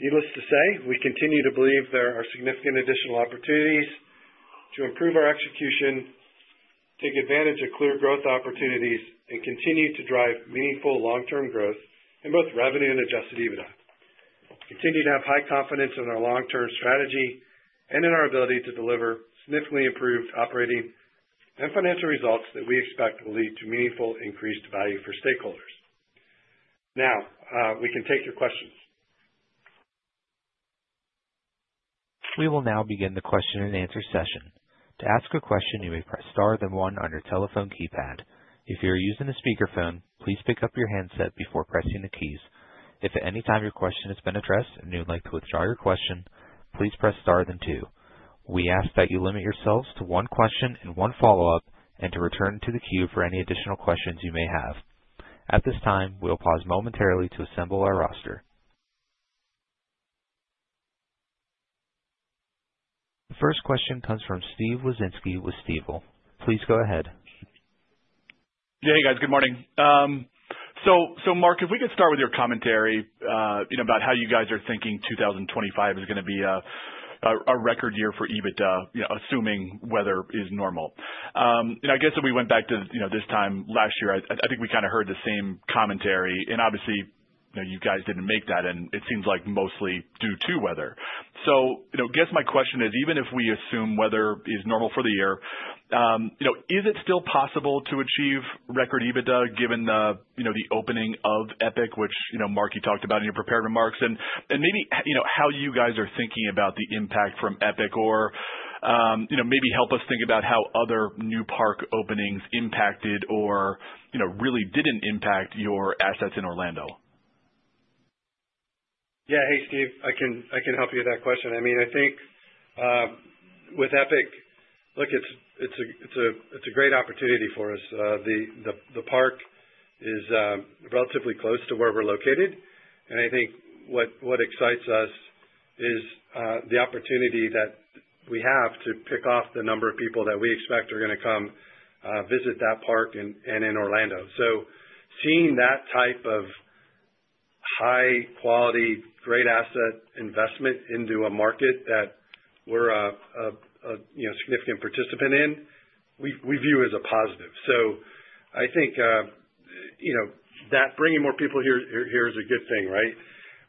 Needless to say, we continue to believe there are significant additional opportunities to improve our execution, take advantage of clear growth opportunities, and continue to drive meaningful long-term growth in both revenue and Adjusted EBITDA. Continue to have high confidence in our long-term strategy and in our ability to deliver significantly improved operating and financial results that we expect will lead to meaningful increased value for stakeholders. Now, we can take your questions. We will now begin the question and answer session. To ask a question, you may press star then one on your telephone keypad. If you're using a speakerphone, please pick up your handset before pressing the keys. If at any time your question has been addressed and you'd like to withdraw your question, please press star then two. We ask that you limit yourselves to one question and one follow-up and to return to the queue for any additional questions you may have. At this time, we'll pause momentarily to assemble our roster. The first question comes from Steven Wieczynski with Stifel. Please go ahead. Yeah, hey guys, good morning. So, Marc, if we could start with your commentary, you know, about how you guys are thinking 2025 is going to be a record year for EBITDA, you know, assuming weather is normal. And I guess we went back to, you know, this time last year. I think we kind of heard the same commentary. And obviously, you know, you guys didn't make that, and it seems like mostly due to weather. So, you know, I guess my question is, even if we assume weather is normal for the year, you know, is it still possible to achieve record EBITDA given, you know, the opening of Epic, which, you know, Marc you talked about in your prepared remarks? And maybe, you know, how you guys are thinking about the impact from Epic or, you know, maybe help us think about how other new park openings impacted or, you know, really didn't impact your assets in Orlando. Yeah, hey Steven, I can help you with that question. I mean, I think, with Epic, look, it's a great opportunity for us. The park is relatively close to where we're located. And I think what excites us is the opportunity that we have to pick off the number of people that we expect are going to come visit that park in Orlando. So seeing that type of high-quality, great asset investment into a market that we're a you know significant participant in, we view as a positive. So I think, you know, that bringing more people here is a good thing, right?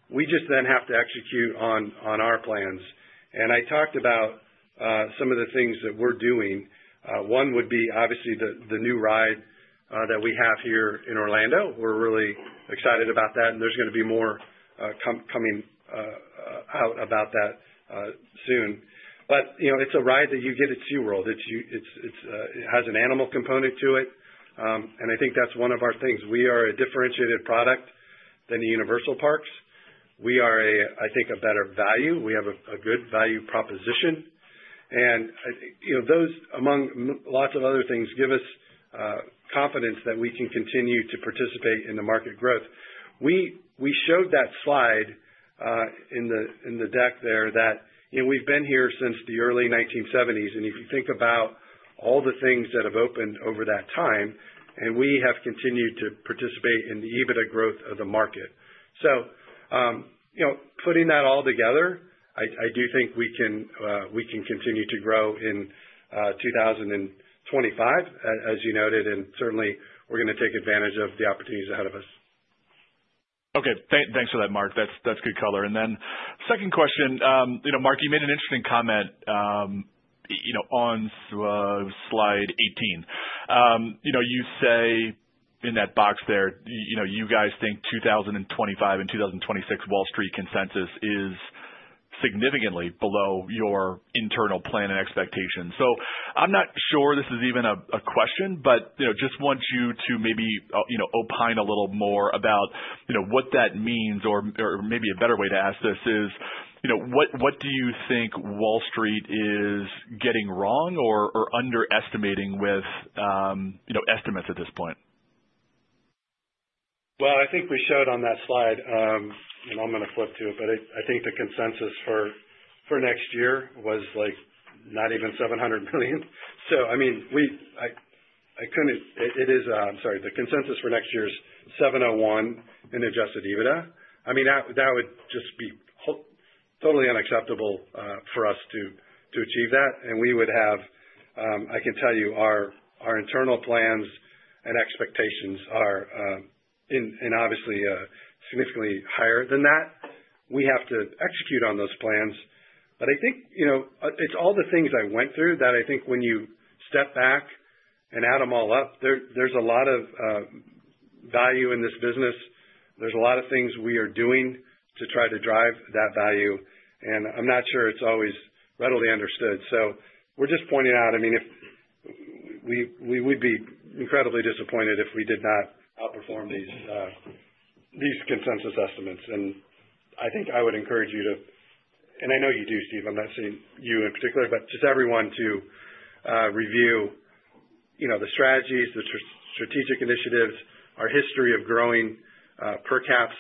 We just then have to execute on our plans. And I talked about some of the things that we're doing. One would be obviously the new ride that we have here in Orlando. We're really excited about that. And there's going to be more coming out about that soon. But you know, it's a ride that you get at SeaWorld. It has an animal component to it, and I think that's one of our things. We are a differentiated product than the Universal Parks. We are, I think, a better value. We have a good value proposition. And you know, those among lots of other things give us confidence that we can continue to participate in the market growth. We showed that slide in the deck there that you know, we've been here since the early 1970s. And if you think about all the things that have opened over that time, and we have continued to participate in the EBITDA growth of the market. You know, putting that all together, I do think we can continue to grow in 2025, as you noted. And certainly, we're going to take advantage of the opportunities ahead of us. Okay. Thanks for that, Marc. That's good color. And then second question, you know, Marc, you made an interesting comment, you know, on slide 18. You know, you say in that box there, you know, you guys think 2025 and 2026 Wall Street consensus is significantly below your internal plan and expectation. I'm not sure this is even a question, but, you know, just want you to maybe, you know, opine a little more about, you know, what that means or, or maybe a better way to ask this is, you know, what, what do you think Wall Street is getting wrong or, or underestimating with, you know, estimates at this point? Well, I think we showed on that slide, and I'm going to flip to it, but I think the consensus for next year was like not even $700 million. So, I mean, we, I couldn't, it is. I'm sorry, the consensus for next year's $701 million in Adjusted EBITDA. I mean, that would just be totally unacceptable for us to achieve that. And we would have. I can tell you our internal plans and expectations are obviously significantly higher than that. We have to execute on those plans. But I think, you know, it's all the things I went through that I think when you step back and add them all up, there's a lot of value in this business. There's a lot of things we are doing to try to drive that value. And I'm not sure it's always readily understood. So we're just pointing out, I mean, if we would be incredibly disappointed if we did not outperform these consensus estimates. I think I would encourage you to, and I know you do, Steven. I'm not saying you in particular, but just everyone to review, you know, the strategies, the strategic initiatives, our history of growing per caps,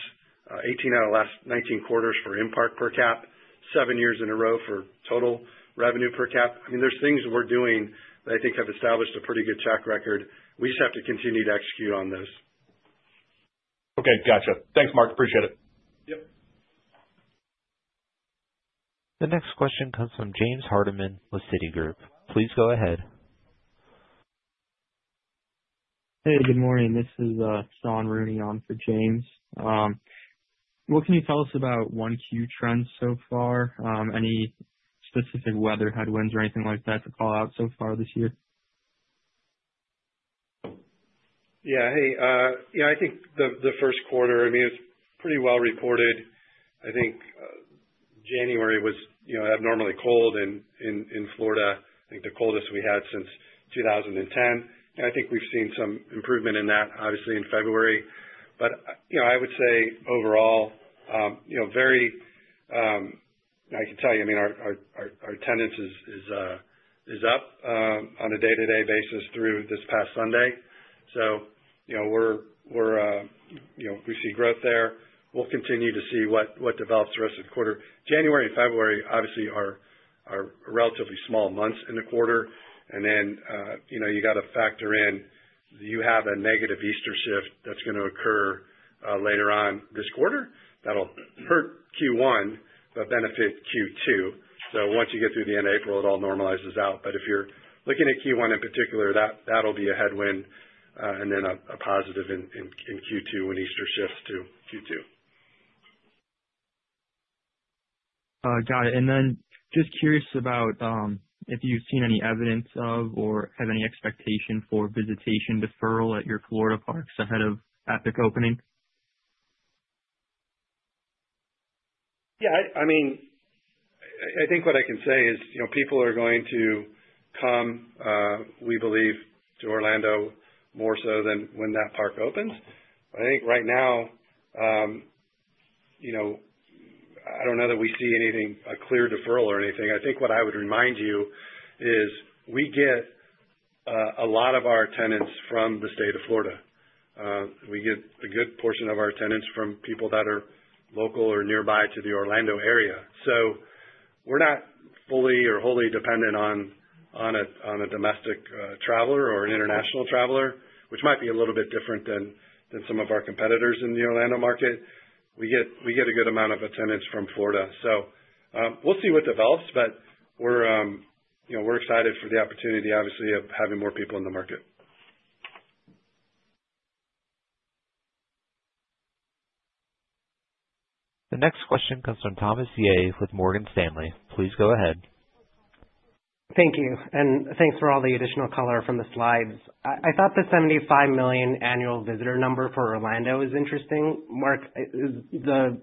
18 out of the last 19 quarters for in-park per cap, seven years in a row for total revenue per cap. I mean, there's things we're doing that I think have established a pretty good track record. We just have to continue to execute on those. Okay. Gotcha. Thanks, Marc. Appreciate it. Yep. The next question comes from James Hardiman with Citigroup. Please go ahead. Hey, good morning. This is Sean Rooney on for James. What can you tell us about 1Q trends so far? Any specific weather headwinds or anything like that to call out so far this year? Yeah, I think the first quarter, I mean, it's pretty well reported. I think January was, you know, abnormally cold in Florida. I think the coldest we had since 2010. And I think we've seen some improvement in that, obviously, in February. But, you know, I would say overall, you know, very, I can tell you, I mean, our tendency is up, on a day-to-day basis through this past Sunday. So, you know, we're, you know, we see growth there. We'll continue to see what develops the rest of the quarter. January and February, obviously, are relatively small months in the quarter. And then, you know, you got to factor in that you have a negative Easter shift that's going to occur later on this quarter. That'll hurt Q1, but benefit Q2. So once you get through the end of April, it all normalizes out. But if you're looking at Q1 in particular, that, that'll be a headwind, and then a positive in Q2 when Easter shifts to Q2. Got it. And then just curious about if you've seen any evidence of or have any expectation for visitation deferral at your Florida parks ahead of Epic Universe opening? Yeah, I mean, I think what I can say is, you know, people are going to come, we believe, to Orlando more so than when that park opens. But I think right now, you know, I don't know that we see anything, a clear deferral or anything. I think what I would remind you is we get a lot of our attendance from the state of Florida. We get a good portion of our attendance from people that are local or nearby to the Orlando area. So we're not fully or wholly dependent on a domestic traveler or an international traveler, which might be a little bit different than some of our competitors in the Orlando market. We get a good amount of attendance from Florida. So, we'll see what develops, but we're, you know, we're excited for the opportunity, obviously, of having more people in the market. The next question comes from Thomas Yeh with Morgan Stanley. Please go ahead. Thank you. And thanks for all the additional color from the slides. I thought the 75 million annual visitor number for Orlando is interesting. Marc, is the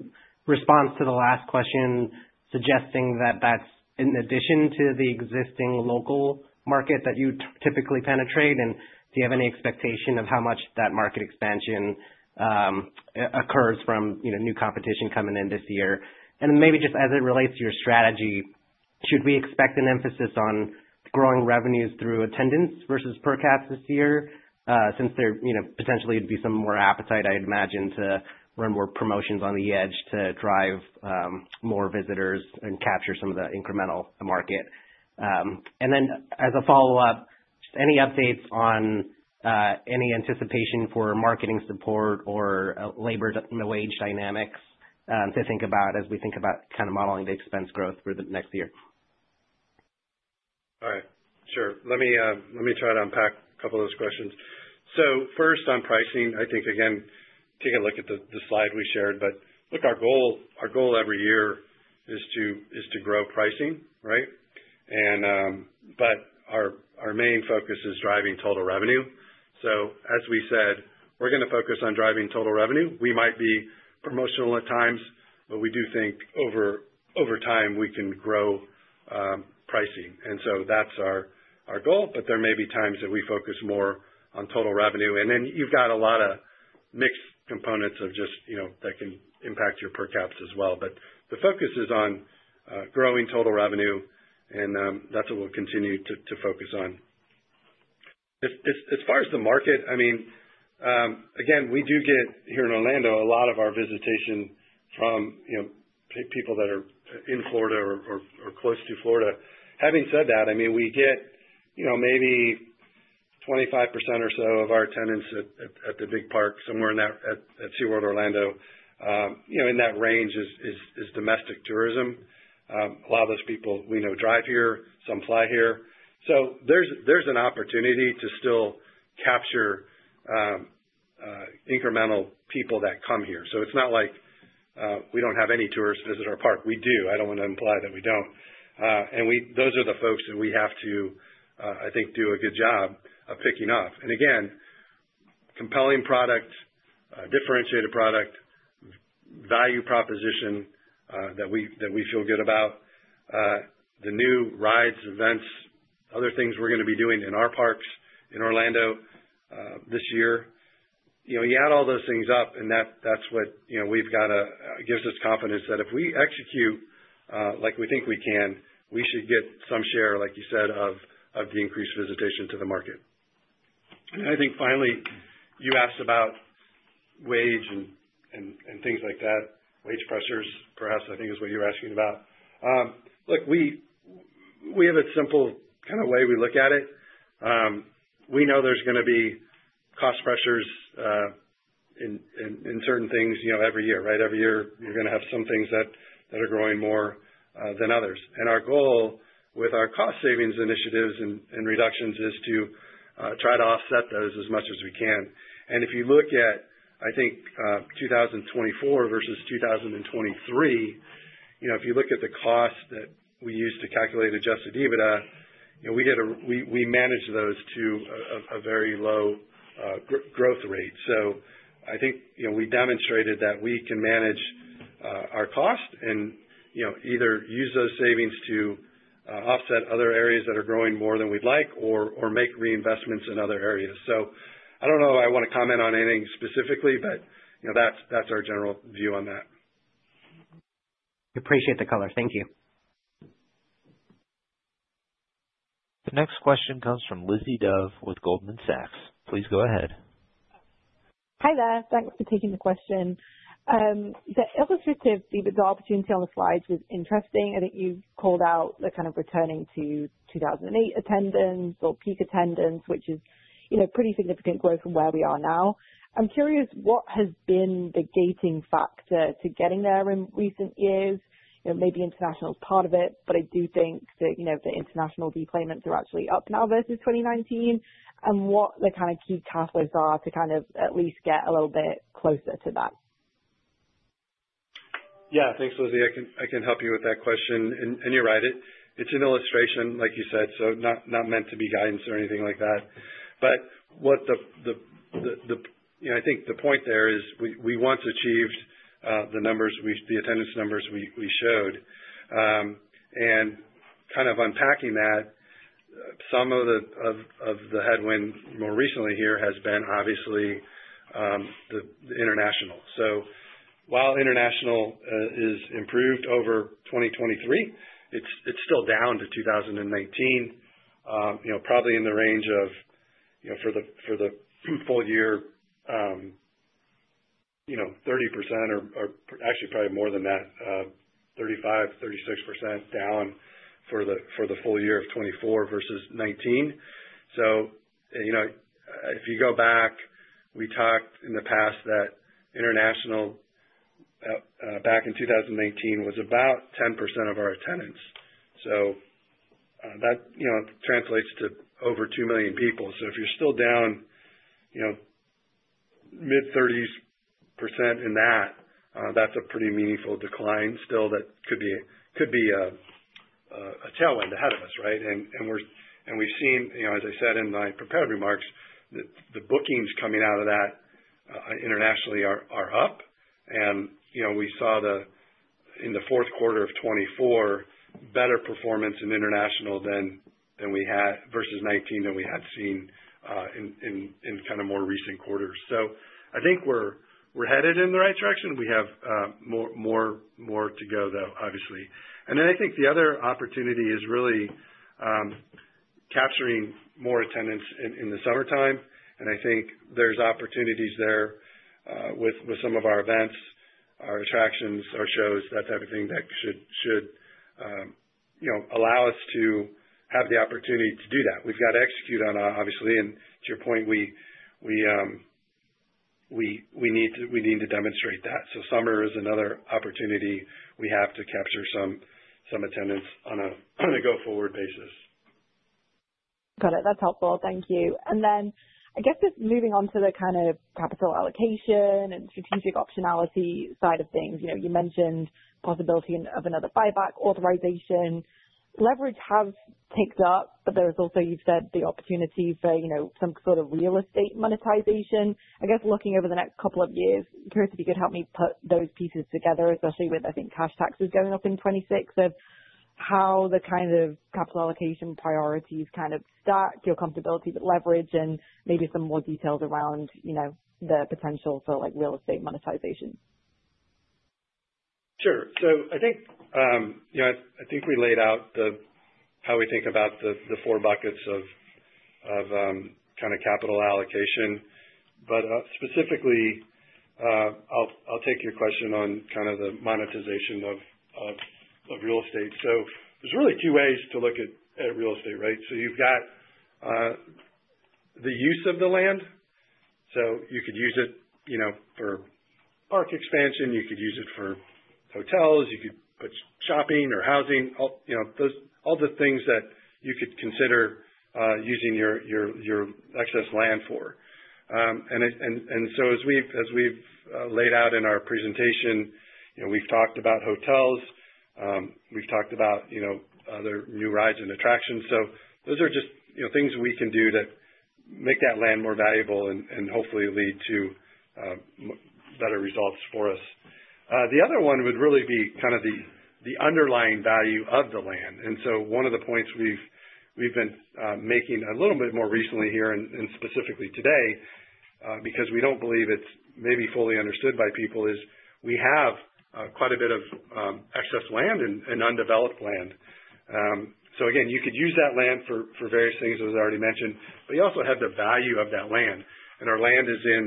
response to the last question suggesting that that's in addition to the existing local market that you typically penetrate? Do you have any expectation of how much that market expansion occurs from, you know, new competition coming in this year? Then maybe just as it relates to your strategy, should we expect an emphasis on growing revenues through attendance versus per caps this year, since there, you know, potentially would be some more appetite, I'd imagine, to run more promotions on the edge to drive more visitors and capture some of the incremental market? Then as a follow-up, just any updates on any anticipation for marketing support or labor wage dynamics to think about as we think about kind of modeling the expense growth for the next year? All right. Sure. Let me try to unpack a couple of those questions. So first on pricing, I think, again, take a look at the slide we shared, but look, our goal every year is to grow pricing, right? But our main focus is driving total revenue. So as we said, we're going to focus on driving total revenue. We might be promotional at times, but we do think over time we can grow pricing. And so that's our goal. But there may be times that we focus more on total revenue. And then you've got a lot of mixed components of just, you know, that can impact your per caps as well. But the focus is on growing total revenue. And that's what we'll continue to focus on. As far as the market, I mean, again, we do get here in Orlando a lot of our visitation from, you know, people that are in Florida or close to Florida. Having said that, I mean, we get, you know, maybe 25% or so of our attendance at the big park somewhere in that, at SeaWorld Orlando, you know, in that range is domestic tourism. A lot of those people we know drive here, some fly here. So there's an opportunity to still capture incremental people that come here. So it's not like we don't have any tourists visit our park. We do. I don't want to imply that we don't, and we, those are the folks that we have to, I think, do a good job of picking off. And again, compelling product, differentiated product, value proposition, that we feel good about, the new rides, events, other things we're going to be doing in our parks in Orlando this year. You know, you add all those things up and that's what gives us confidence that if we execute, like we think we can, we should get some share, like you said, of the increased visitation to the market. I think finally, you asked about wage and things like that, wage pressures, perhaps I think is what you're asking about. Look, we have a simple kind of way we look at it. We know there's going to be cost pressures in certain things, you know, every year, right? Every year you're going to have some things that are growing more than others. Our goal with our cost savings initiatives and reductions is to try to offset those as much as we can. If you look at, I think, 2024 versus 2023, you know, if you look at the cost that we use to calculate adjusted EBITDA, you know, we manage those to a very low growth rate. So I think, you know, we demonstrated that we can manage our cost and, you know, either use those savings to offset other areas that are growing more than we'd like or make reinvestments in other areas. So I don't know if I want to comment on anything specifically, but, you know, that's our general view on that. Appreciate the color. Thank you. The next question comes from Lizzie Dove with Goldman Sachs. Please go ahead. Hi there. Thanks for taking the question. The illustrative EBITDA opportunity on the slides was interesting. I think you've called out the kind of returning to 2008 attendance or peak attendance, which is, you know, pretty significant growth from where we are now. I'm curious what has been the gating factor to getting there in recent years, you know, maybe international is part of it, but I do think that, you know, the international deployments are actually up now versus 2019 and what the kind of key pathways are to kind of at least get a little bit closer to that. Yeah, thanks, Lizzie. I can, I can help you with that question. And, and you're right. It, it's an illustration, like you said, so not, not meant to be guidance or anything like that. But you know, I think the point there is we once achieved the numbers, the attendance numbers we showed, and kind of unpacking that, some of the headwind more recently here has been obviously the international. So while international is improved over 2023, it's still down to 2019, you know, probably in the range of, you know, for the full year, you know, 30% or actually probably more than that, 35, 36% down for the full year of 2024 versus 2019. So, you know, if you go back, we talked in the past that international back in 2019 was about 10% of our attendance. So, that, you know, translates to over 2 million people. So if you're still down, you know, mid-30s% in that, that's a pretty meaningful decline still that could be a tailwind ahead of us, right? And we've seen, you know, as I said in my prepared remarks, the bookings coming out of that internationally are up. And, you know, we saw in the fourth quarter of 2024 better performance in international than we had versus 2019 than we had seen in kind of more recent quarters. So I think we're headed in the right direction. We have more to go though, obviously. And then I think the other opportunity is really capturing more attendance in the summertime. And I think there's opportunities there, with some of our events, our attractions, our shows, that type of thing that should, you know, allow us to have the opportunity to do that. We've got to execute on, obviously. And to your point, we need to demonstrate that. So summer is another opportunity. We have to capture some attendance on a go-forward basis. Got it. That's helpful. Thank you. And then I guess just moving on to the kind of capital allocation and strategic optionality side of things, you know, you mentioned possibility of another buyback authorization. Leverage has ticked up, but there is also, you've said the opportunity for, you know, some sort of real estate monetization. I guess looking over the next couple of years, I'm curious if you could help me put those pieces together, especially with, I think, cash taxes going up in 2026, of how the kind of capital allocation priorities kind of stack, your comfortability with leverage and maybe some more details around, you know, the potential for like real estate monetization. Sure. So I think, you know, I think we laid out how we think about the four buckets of capital allocation, but specifically, I'll take your question on the monetization of real estate. So there's really two ways to look at real estate, right? So you've got the use of the land. So you could use it, you know, for park expansion. You could use it for hotels. You could put shopping or housing, all, you know, those, all the things that you could consider using your excess land for, and so as we've laid out in our presentation, you know, we've talked about hotels. We've talked about, you know, other new rides and attractions. So those are just, you know, things we can do to make that land more valuable and hopefully lead to better results for us. The other one would really be kind of the underlying value of the land, and so one of the points we've been making a little bit more recently here and specifically today, because we don't believe it's maybe fully understood by people, is we have quite a bit of excess land and undeveloped land. So again, you could use that land for various things, as I already mentioned, but you also have the value of that land. Our land is in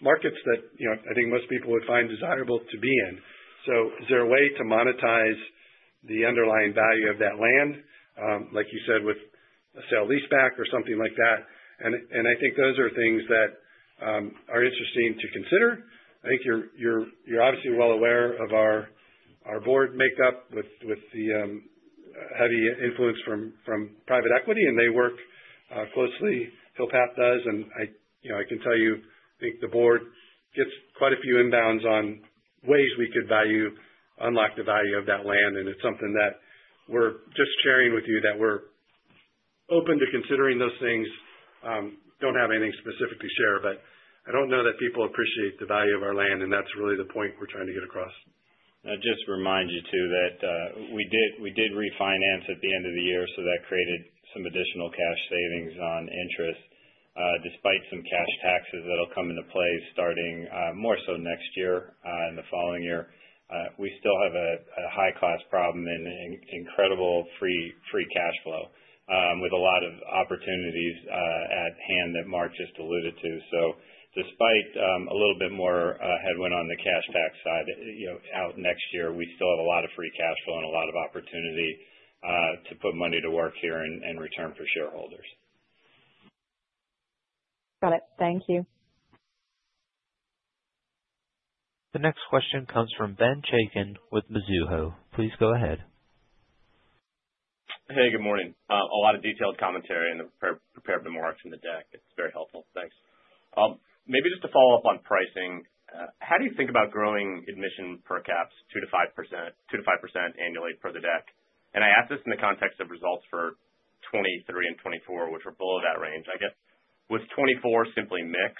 markets that, you know, I think most people would find desirable to be in. Is there a way to monetize the underlying value of that land, like you said, with a sale lease back or something like that? And I think those are things that are interesting to consider. I think you're obviously well aware of our board makeup with the heavy influence from private equity. And they work closely. Hillpath does. And I, you know, I can tell you, I think the board gets quite a few inbounds on ways we could value unlock the value of that land. And it's something that we're just sharing with you that we're open to considering those things. Don't have anything specific to share, but I don't know that people appreciate the value of our land. And that's really the point we're trying to get across. I just remind you too that we did refinance at the end of the year. So that created some additional cash savings on interest, despite some cash taxes that'll come into play starting, more so next year, in the following year. We still have a high-class problem and incredible free cash flow, with a lot of opportunities at hand that Marc just alluded to. So despite a little bit more headwind on the cash tax side, you know, out next year, we still have a lot of free cash flow and a lot of opportunity to put money to work here and return for shareholders. Got it. Thank you. The next question comes from Ben Chacon with Mizuho. Please go ahead. Hey, good morning. A lot of detailed commentary in the prepared remarks in the deck. It's very helpful. Thanks. Maybe just to follow up on pricing, how do you think about growing admission per-caps 2%-5%, 2%-5% annually per the deck? And I asked this in the context of results for 2023 and 2024, which were below that range. I guess was 2024 simply mix?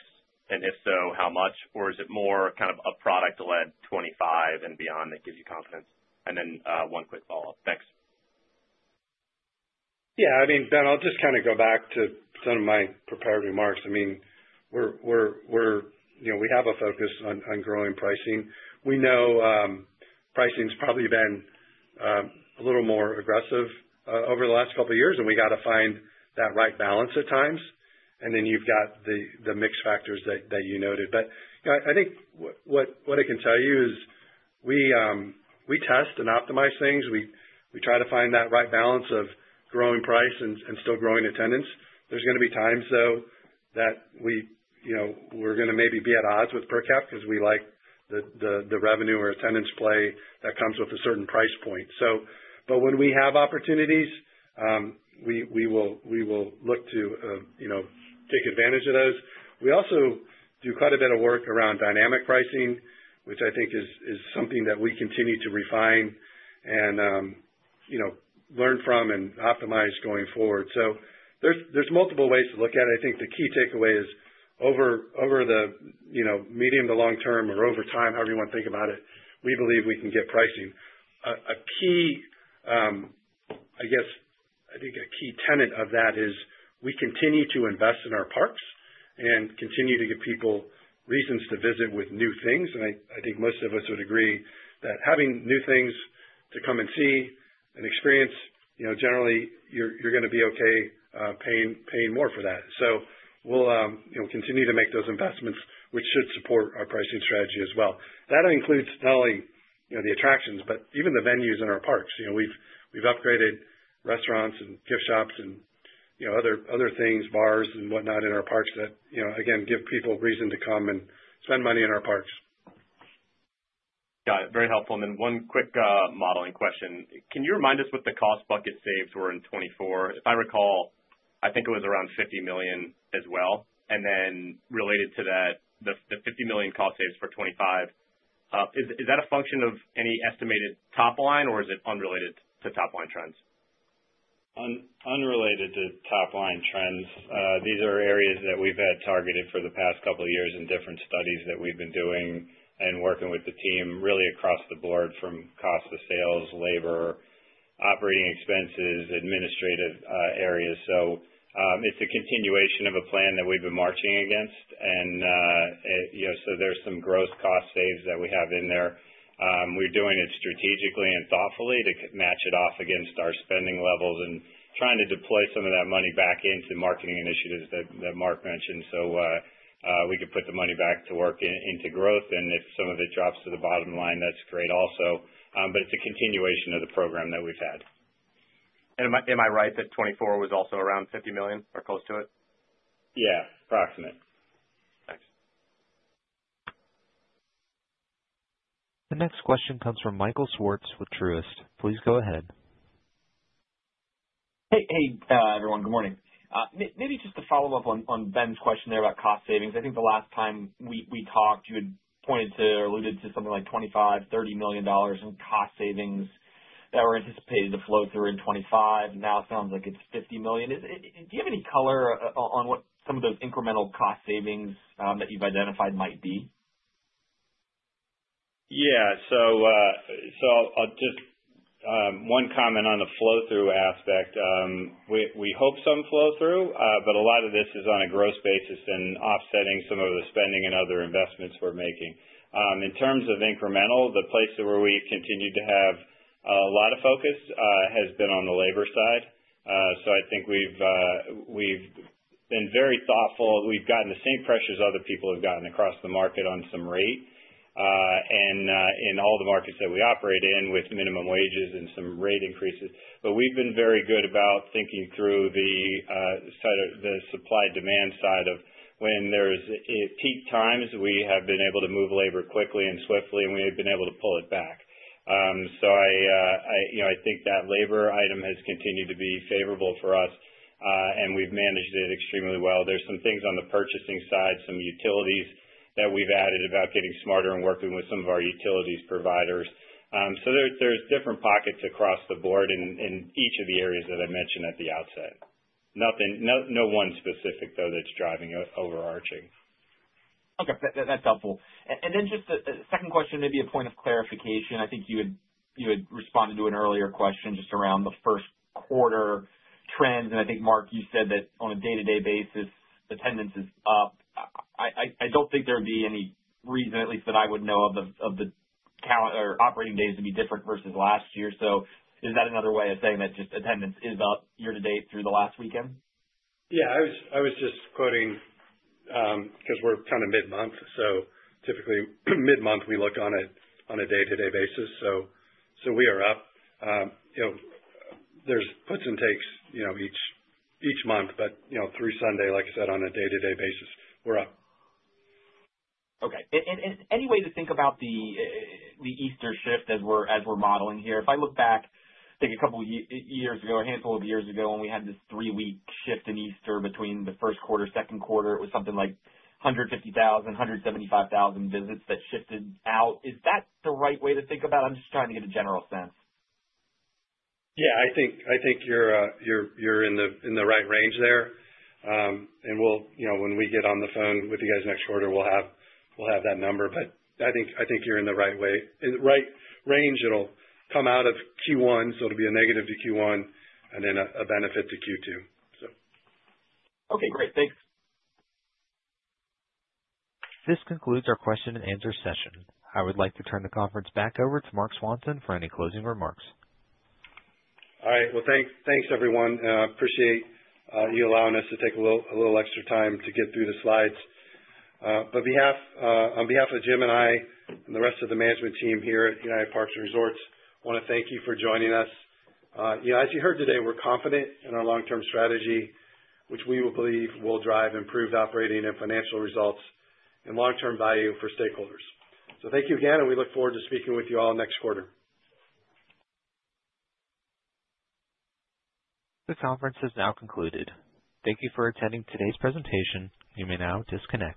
And if so, how much? Or is it more kind of a product-led 2025 and beyond that gives you confidence? And then, one quick follow-up. Thanks. Yeah. I mean, Ben, I'll just kind of go back to some of my prepared remarks. I mean, we're, you know, we have a focus on growing pricing. We know, pricing's probably been a little more aggressive over the last couple of years. And we got to find that right balance at times. And then you've got the mixed factors that you noted. But, you know, I think what I can tell you is we test and optimize things. We try to find that right balance of growing price and still growing attendance. There's going to be times though that we, you know, we're going to maybe be at odds with per cap because we like the revenue or attendance play that comes with a certain price point. So, but when we have opportunities, we will look to, you know, take advantage of those. We also do quite a bit of work around dynamic pricing, which I think is something that we continue to refine and, you know, learn from and optimize going forward. So there's multiple ways to look at it. I think the key takeaway is over the, you know, medium to long term or over time, however you want to think about it, we believe we can get pricing. A key, I guess, I think a key tenet of that is we continue to invest in our parks and continue to give people reasons to visit with new things. And I think most of us would agree that having new things to come and see and experience, you know, generally you're going to be okay paying more for that. So we'll, you know, continue to make those investments, which should support our pricing strategy as well. That includes not only, you know, the attractions, but even the venues in our parks. You know, we've upgraded restaurants and gift shops and, you know, other things, bars and whatnot in our parks that, you know, again, give people reason to come and spend money in our parks. Got it. Very helpful. And then one quick modeling question. Can you remind us what the cost bucket savings were in 2024? If I recall, I think it was around $50 million as well. And then related to that, the $50 million cost savings for 2025, is that a function of any estimated top line or is it unrelated to top line trends? Unrelated to top line trends. These are areas that we've had targeted for the past couple of years in different studies that we've been doing and working with the team really across the board from cost of sales, labor, operating expenses, administrative areas. So, it's a continuation of a plan that we've been marching against. And, you know, so there's some gross cost savings that we have in there. We're doing it strategically and thoughtfully to match it off against our spending levels and trying to deploy some of that money back into marketing initiatives that Marc mentioned. So, we could put the money back to work into growth. And if some of it drops to the bottom line, that's great also. But it's a continuation of the program that we've had. And am I right that 2024 was also around 50 million or close to it? Yeah, approximate. The next question comes from Michael Swartz with Truist. Please go ahead. Hey, everyone, good morning. Maybe just to follow up on Ben's question there about cost savings. I think the last time we talked, you had pointed to or alluded to something like $25 to $30 million in cost savings that were anticipated to flow through in 2025. Now it sounds like it's 50 million. Do you have any color on what some of those incremental cost savings that you've identified might be? Yeah. So, I'll just one comment on the flow-through aspect. We, we hope some flow-through, but a lot of this is on a gross basis and offsetting some of the spending and other investments we're making. In terms of incremental, the place where we've continued to have a lot of focus has been on the labor side. So I think we've been very thoughtful. We've gotten the same pressure as other people have gotten across the market on some rate and in all the markets that we operate in with minimum wages and some rate increases. But we've been very good about thinking through the side of the supply-demand side of when there's peak times, we have been able to move labor quickly and swiftly, and we have been able to pull it back. So I, you know, I think that labor item has continued to be favorable for us, and we've managed it extremely well. There's some things on the purchasing side, some utilities that we've added about getting smarter and working with some of our utilities providers. So there, there's different pockets across the board in each of the areas that I mentioned at the outset. Nothing, no one specific though that's driving overarching. Okay. That's helpful. And then just the second question, maybe a point of clarification. I think you had responded to an earlier question just around the first quarter trends. And I think, Marc, you said that on a day-to-day basis, attendance is up. I don't think there'd be any reason, at least that I would know of, of the calendar or operating days to be different versus last year. So is that another way of saying that just attendance is up year-to-date through the last weekend? Yeah.I was just quoting, because we're kind of mid-month. So typically mid-month we look on a day-to-day basis. So we are up. You know, there's puts and takes, you know, each month, but you know, through Sunday, like I said, on a day-to-day basis, we're up. Okay. Any way to think about the Easter shift as we're modeling here? If I look back, I think a couple of years ago, a handful of years ago, when we had this three-week shift in Easter between the first quarter, second quarter, it was something like 150,000-175,000 visits that shifted out. Is that the right way to think about it? I'm just trying to get a general sense. Yeah. I think you're in the right range there. And we'll, you know, when we get on the phone with you guys next quarter, we'll have, we'll have that number. But I think, I think you're in the right way, in the right range. It'll come out of Q1, so it'll be a negative to Q1 and then a, a benefit to Q2, so. Okay. Great. Thanks. This concludes our question-and-answer session. I would like to turn the conference back over to Marc Swanson for any closing remarks. All right. Well, thanks, thanks everyone. Appreciate you allowing us to take a little, a little extra time to get through the slides. On behalf, on behalf of Jim and I and the rest of the management team here at United Parks & Resorts, I want to thank you for joining us. You know, as you heard today, we're confident in our long-term strategy, which we believe will drive improved operating and financial results and long-term value for stakeholders. So thank you again, and we look forward to speaking with you all next quarter. The conference has now concluded. Thank you for attending today's presentation. You may now disconnect.